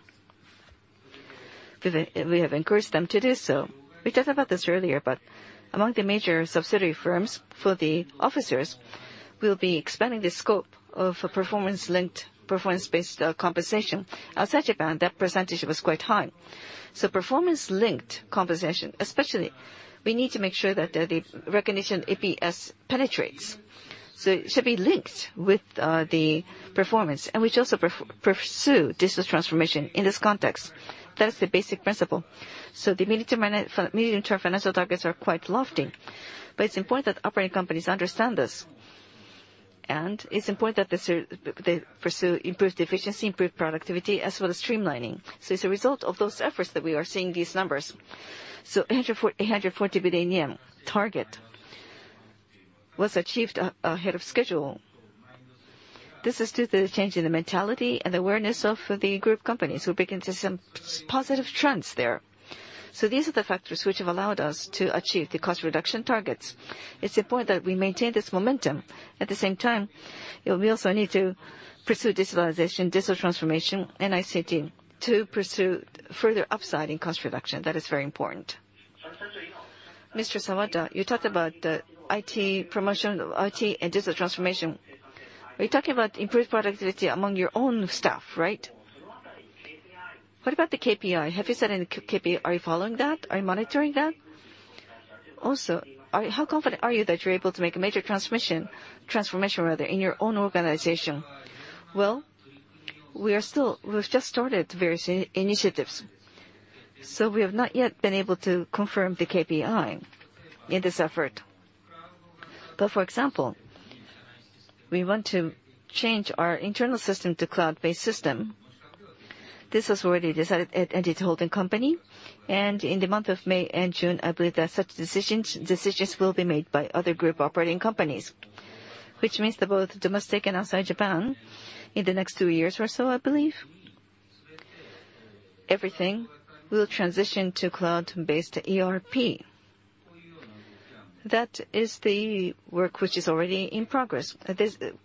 We have encouraged them to do so. We talked about this earlier, among the major subsidiary firms, for the officers, we'll be expanding the scope of performance-based compensation. Outside Japan, that percentage was quite high. Performance-linked compensation, especially, we need to make sure that the recognition, EPS, penetrates. It should be linked with the performance, and we also pursue digital transformation in this context. That is the basic principle. The mid-term financial targets are quite lofty, but it's important that operating companies understand this. It's important that they pursue improved efficiency, improved productivity, as well as streamlining. It's a result of those efforts that we are seeing these numbers. 140 billion yen target was achieved ahead of schedule. This is due to the change in the mentality and awareness of the group companies. We're beginning to see some positive trends there. These are the factors which have allowed us to achieve the cost-reduction targets. It's important that we maintain this momentum. At the same time, we also need to pursue digitalization, digital transformation, and ICT to pursue further upside in cost reduction. That is very important. Mr. Sawada, you talked about the IT promotion, IT and digital transformation. Are you talking about improved productivity among your own staff, right? What about the KPI? Have you set any KPI? Are you following that? Are you monitoring that? How confident are you that you're able to make a major transformation in your own organization? Well, we've just started various initiatives. We have not yet been able to confirm the KPI in this effort. For example, we want to change our internal system to cloud-based system. This was already decided at NTT Holding Company. In the month of May and June, I believe that such decisions will be made by other group operating companies, which means that both domestic and outside Japan, in the next two years or so, I believe, everything will transition to cloud-based ERP. That is the work which is already in progress.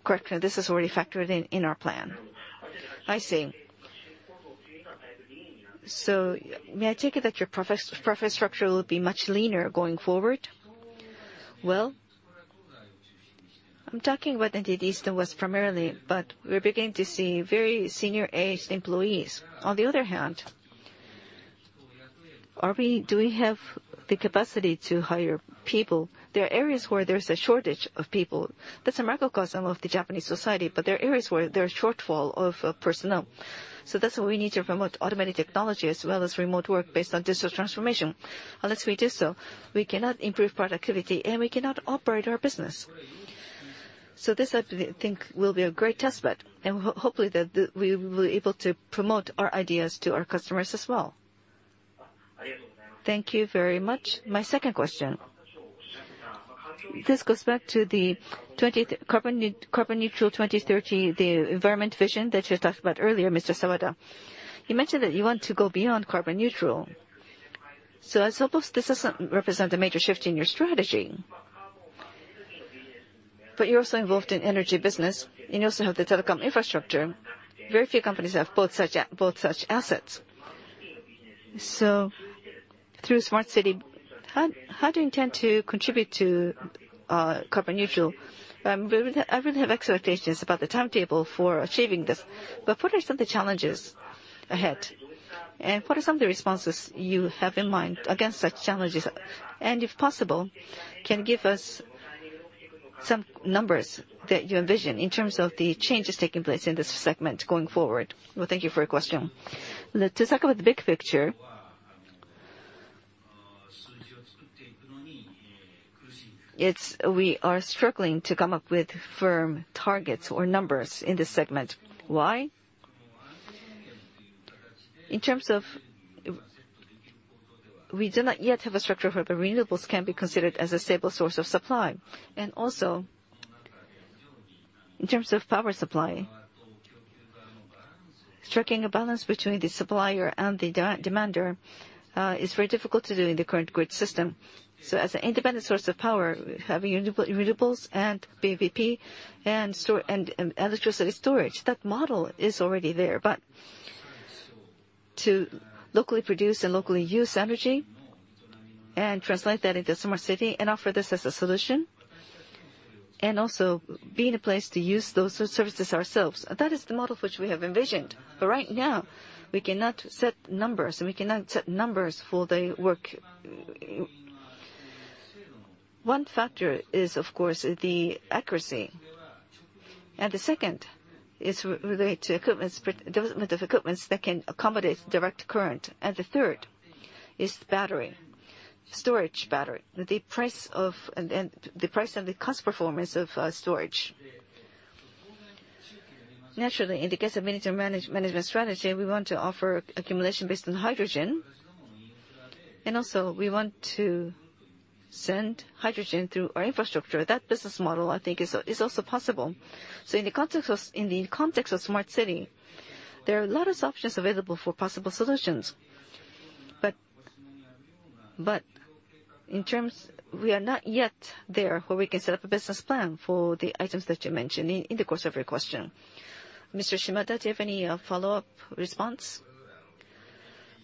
Correct me, this is already factored in our plan. I see. May I take it that your profit structure will be much leaner going forward? I'm talking about NTT East primarily, but we're beginning to see very senior-aged employees. On the other hand, do we have the capacity to hire people? There are areas where there's a shortage of people. That's a microcosm of the Japanese society, but there are areas where there are shortfall of personnel. That's why we need to promote automated technology as well as remote work based on digital transformation. Unless we do so, we cannot improve productivity, and we cannot operate our business. This, I think, will be a great aspect, and hopefully, that we will be able to promote our ideas to our customers as well. Thank you very much. My second question. This goes back to the carbon neutral 2030, the environment vision that you talked about earlier, Mr. Sawada. You mentioned that you want to go beyond carbon neutral. I suppose this doesn't represent a major shift in your strategy. You're also involved in energy business, and you also have the telecom infrastructure. Very few companies have both such assets. Through smart city, how do you intend to contribute to carbon neutral? I really have expectations about the timetable for achieving this, but what are some of the challenges ahead, and what are some of the responses you have in mind against such challenges? If possible, can you give us some numbers that you envision in terms of the changes taking place in this segment going forward? Thank you for your question. To talk about the big picture, we are struggling to come up with firm targets or numbers in this segment. Why? We do not yet have a structure where renewables can be considered as a stable source of supply. Also, in terms of power supply, striking a balance between the supplier and the demander is very difficult to do in the current grid system. As an independent source of power, having renewables and BVP and electricity storage, that model is already there. To locally produce and locally use energy and translate that into a smart city and offer this as a solution, and also be in a place to use those services ourselves, that is the model which we have envisioned. Right now, we cannot set numbers, and we cannot set numbers for the work. One factor is, of course, the accuracy. The second is related to development of equipments that can accommodate direct current. The third is battery, storage battery, the price and the cost performance of storage. Naturally, in the case of management strategy, we want to offer accumulation based on hydrogen, and also we want to send hydrogen through our infrastructure. That business model, I think, is also possible. In the context of smart city, there are a lot of options available for possible solutions. We are not yet there, where we can set up a business plan for the items that you mentioned in the course of your question. Mr. Shimada, do you have any follow-up response?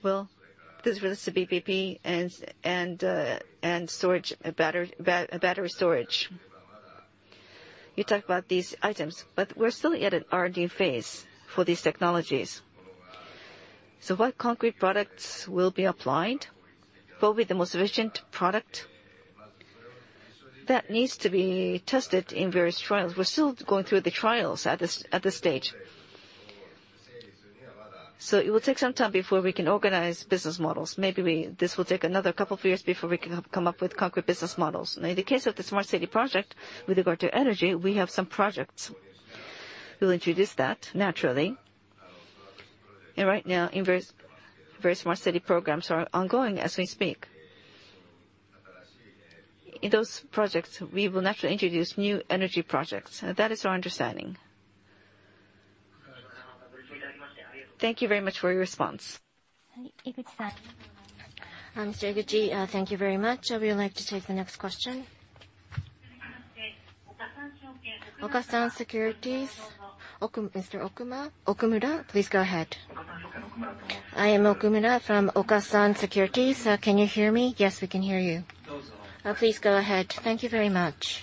Well, this relates to PV and battery storage. You talked about these items, but we're still at an R&D phase for these technologies. What concrete products will be applied? What will be the most efficient product? That needs to be tested in various trials. We're still going through the trials at this stage. It will take some time before we can organize business models. Maybe this will take another couple of years before we can come up with concrete business models. In the case of the Smart City project, with regard to energy, we have some projects. We'll introduce that naturally. Right now various Smart City programs are ongoing as we speak. In those projects, we will naturally introduce new energy projects. That is our understanding. Thank you very much for your response. Eguchi, thank you very much. We would like to take the next question. Okasan Securities, Okumura, please go ahead. I am Okumura from Okasan Securities. Can you hear me? Yes, we can hear you. Please go ahead. Thank you very much.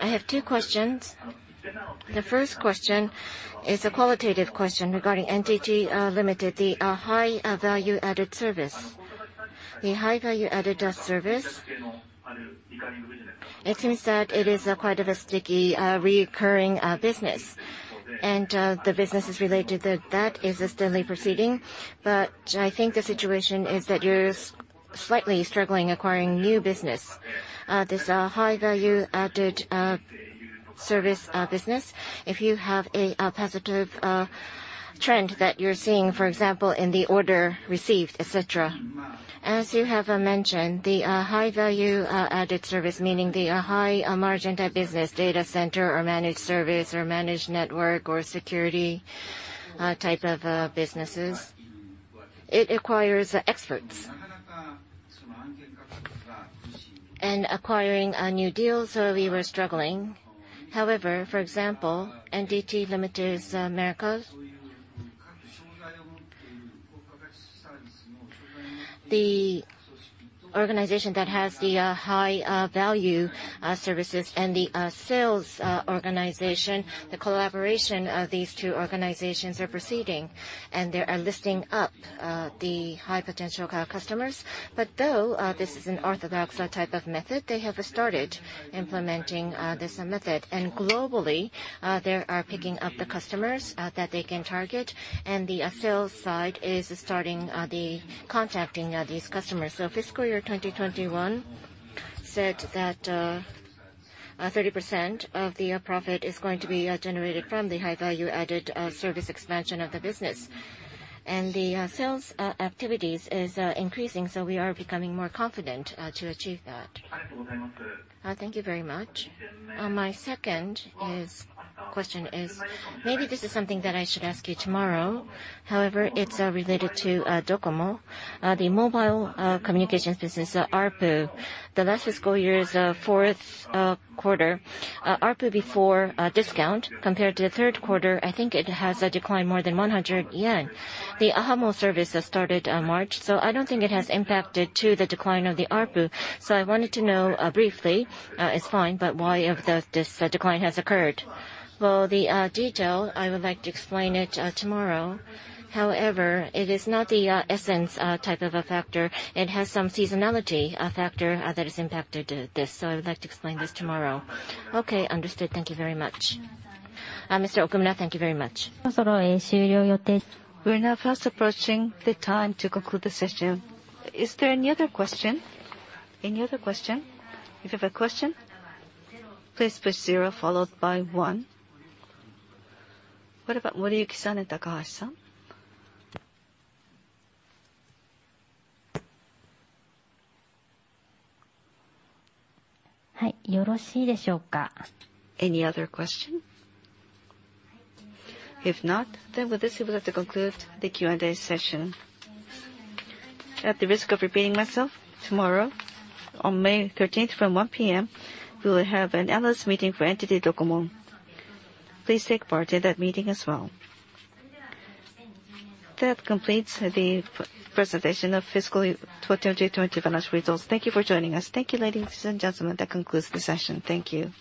I have two questions. The first question is a qualitative question regarding NTT Ltd., the high value-added service. The high value-added service, it seems that it is quite a sticky recurring business, and the business related to that is steadily proceeding. I think the situation is that you're slightly struggling acquiring new business. This high value-added service business, if you have a positive trend that you're seeing, for example, in the order received, et cetera. As you have mentioned, the high value-added service, meaning the high-margin type business, data center or managed service or managed network or security type of businesses, it requires experts. Acquiring new deals, we were struggling. For example, NTT Ltd.'s Americas, the organization that has the high-value services and the sales organization, the collaboration of these two organizations are proceeding, and they are listing up the high-potential customers. Though this is an orthodox type of method, they have started implementing this method. Globally, they are picking up the customers that they can target, and the sales side is starting contacting these customers. Fiscal year 2021 said that 30% of the profit is going to be generated from the high-value-added service expansion of the business. The sales activities is increasing, we are becoming more confident to achieve that. Thank you very much. My second question is, maybe this is something that I should ask you tomorrow. However, it's related to DOCOMO, the mobile communications business ARPU. The last fiscal year's fourth quarter ARPU before discount, compared to the third quarter, I think it has declined more than 100 yen. The ahamo service started in March, so I don't think it has impacted to the decline of the ARPU. I wanted to know briefly, it's fine, but why this decline has occurred? Well, the detail, I would like to explain it tomorrow. It is not the essence type of a factor. It has some seasonality factor that has impacted this. I would like to explain this tomorrow. Okay, understood. Thank you very much. Mr. Okumura, thank you very much. We're now fast approaching the time to conclude the session. Is there any other question? Any other question? If you have a question, please push zero followed by one. Any other question? If not, with this, we would like to conclude the Q&A session. At the risk of repeating myself, tomorrow on May 13th from 1:00 P.M., we will have an analyst meeting for NTT DOCOMO. Please take part in that meeting as well. That completes the presentation of fiscal year 2020 financial results. Thank you for joining us. Thank you, ladies and gentlemen, that concludes the session. Thank you.